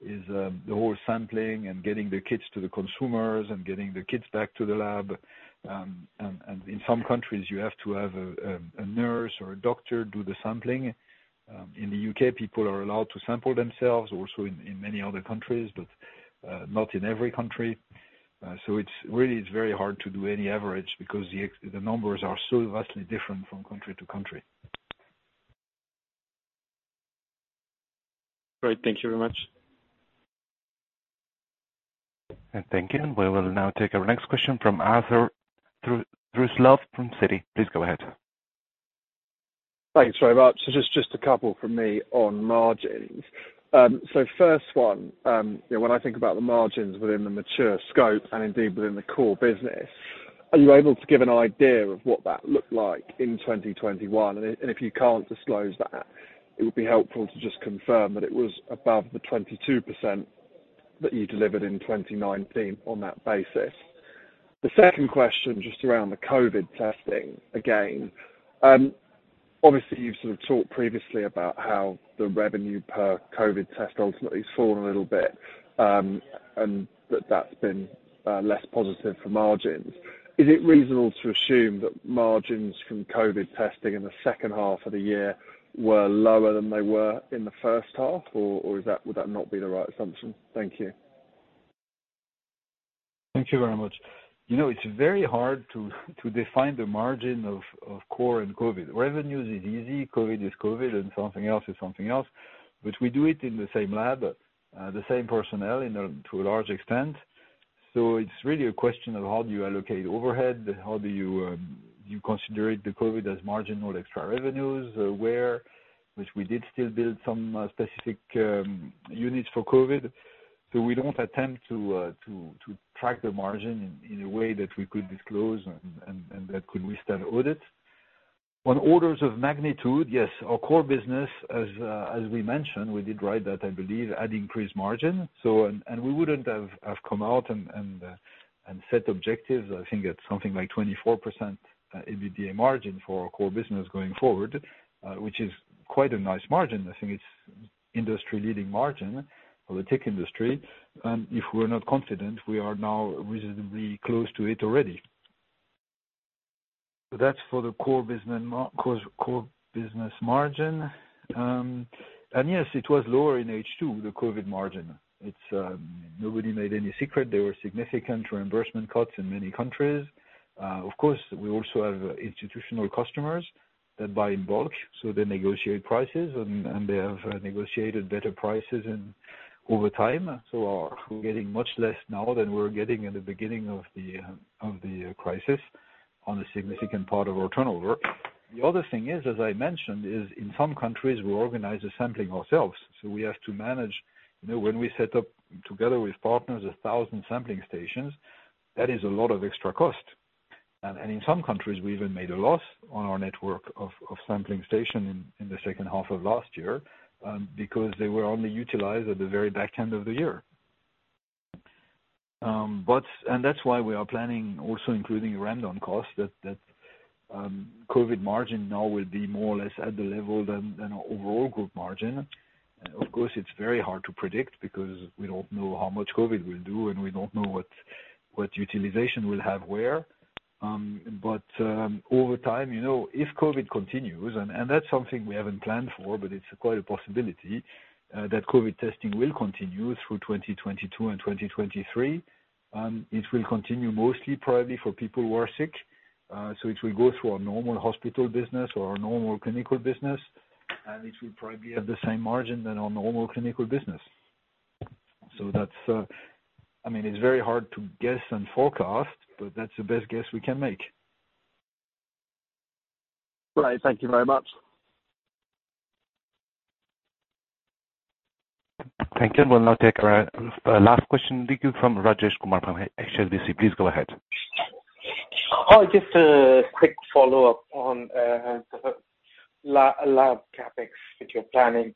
the whole sampling and getting the kits to the consumers and getting the kits back to the lab. In some countries, you have to have a nurse or a doctor do the sampling. In the UK, people are allowed to sample themselves, also in many other countries, but not in every country. It's really very hard to do any average because the numbers are so vastly different from country to country. Great. Thank you very much. Thank you. We will now take our next question from Arthur Truslove from Citi. Please go ahead. Thanks very much. Just a couple from me on margins. First one, you know, when I think about the margins within the mature scope and indeed within the core business, are you able to give an idea of what that looked like in 2021? And if you can't disclose that, it would be helpful to just confirm that it was above the 22% that you delivered in 2019 on that basis. The second question, just around the COVID testing again, obviously you've sort of talked previously about how the revenue per COVID test ultimately has fallen a little bit, and that's been less positive for margins. Is it reasonable to assume that margins from COVID testing in the second half of the year were lower than they were in the first half, or would that not be the right assumption? Thank you. Thank you very much. You know, it's very hard to define the margin of core and COVID. Revenues is easy. COVID is COVID, and something else is something else. We do it in the same lab, the same personnel to a large extent. It's really a question of how do you allocate overhead, how you consider it, the COVID, as marginal extra revenues, where which we did still build some specific units for COVID, so we don't attempt to track the margin in a way that we could disclose and that could withstand audit. On orders of magnitude, yes, our core business, as we mentioned, we did write that I believe, had increased margin. We wouldn't have come out and set objectives. I think it's something like 24% EBITDA margin for our core business going forward, which is quite a nice margin. I think it's industry-leading margin for the tech industry. If we're not confident, we are now reasonably close to it already. That's for the core business margin. Yes, it was lower in H2, the COVID margin. It's no secret there were significant reimbursement cuts in many countries. Of course, we also have institutional customers that buy in bulk, so they negotiate prices and they have negotiated better prices over time. We're getting much less now than we were getting in the beginning of the crisis on a significant part of our turnover. The other thing is, as I mentioned, in some countries, we organize the sampling ourselves, so we have to manage. You know, when we set up together with partners 1,000 sampling stations, that is a lot of extra cost. In some countries, we even made a loss on our network of sampling stations in the second half of last year, because they were only utilized at the very back end of the year. That's why we are planning, also including ramping costs, that the COVID margin now will be more or less at the level of our overall group margin. Of course, it's very hard to predict because we don't know how much COVID will do, and we don't know what utilization we'll have where. Over time, you know, if COVID continues, and that's something we haven't planned for, but it's quite a possibility, that COVID testing will continue through 2022 and 2023. It will continue mostly probably for people who are sick. It will go through our normal hospital business or our normal clinical business, and it will probably be at the same margin than our normal clinical business. That's, I mean, it's very hard to guess and forecast, but that's the best guess we can make. Great. Thank you very much. Thank you. We'll now take our last question, I think from Rajesh Kumar from HSBC. Please go ahead. Oh, just a quick follow-up on the lab CapEx that you're planning.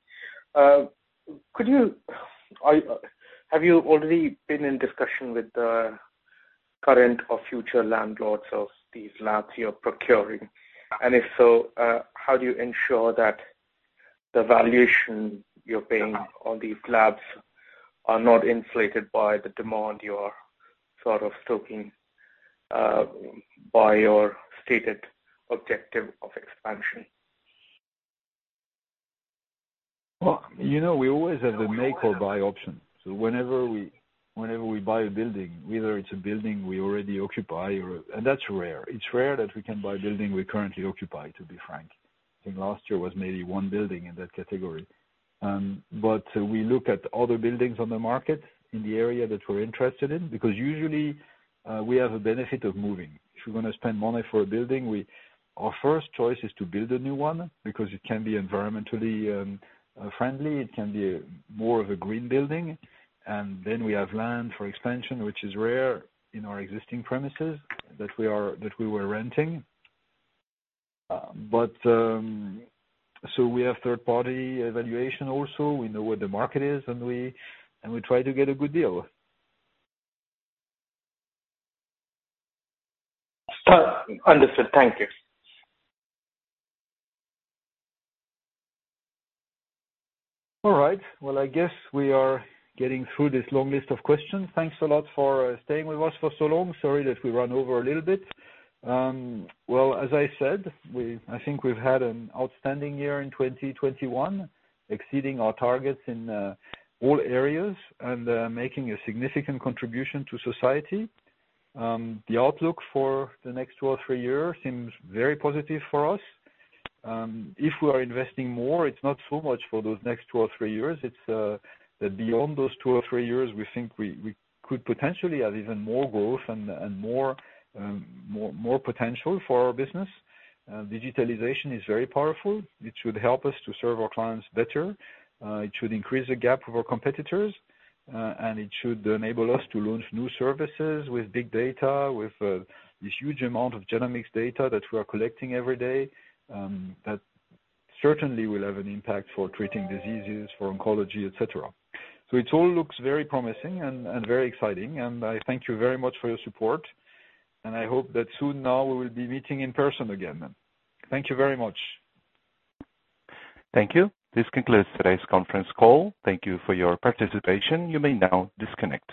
Have you already been in discussion with the current or future landlords of these labs you're procuring? And if so, how do you ensure that the valuation you're paying on these labs are not inflated by the demand you are sort of stoking by your stated objective of expansion? Well, you know, we always have the make or buy option. Whenever we buy a building, whether it's a building we already occupy. That's rare. It's rare that we can buy a building we currently occupy, to be frank. I think last year was maybe one building in that category. We look at other buildings on the market in the area that we're interested in because usually, we have a benefit of moving. If we're gonna spend money for a building, our first choice is to build a new one because it can be environmentally friendly. It can be more of a green building. We have land for expansion, which is rare in our existing premises that we were renting. We have third-party evaluation also. We know where the market is, and we try to get a good deal. Understood. Thank you. All right. Well, I guess we are getting through this long list of questions. Thanks a lot for staying with us for so long. Sorry that we ran over a little bit. Well, as I said, I think we've had an outstanding year in 2021, exceeding our targets in all areas and making a significant contribution to society. The outlook for the next two or three years seems very positive for us. If we are investing more, it's not so much for those next two or three years, it's that beyond those two or three years, we think we could potentially have even more growth and more potential for our business. Digitalization is very powerful. It should help us to serve our clients better. It should increase the gap with our competitors. It should enable us to launch new services with big data, with this huge amount of genomics data that we are collecting every day, that certainly will have an impact for treating diseases, for oncology, et cetera. It all looks very promising and very exciting. I thank you very much for your support. I hope that soon now we will be meeting in person again. Thank you very much. Thank you. This concludes today's conference call. Thank you for your participation. You may now disconnect.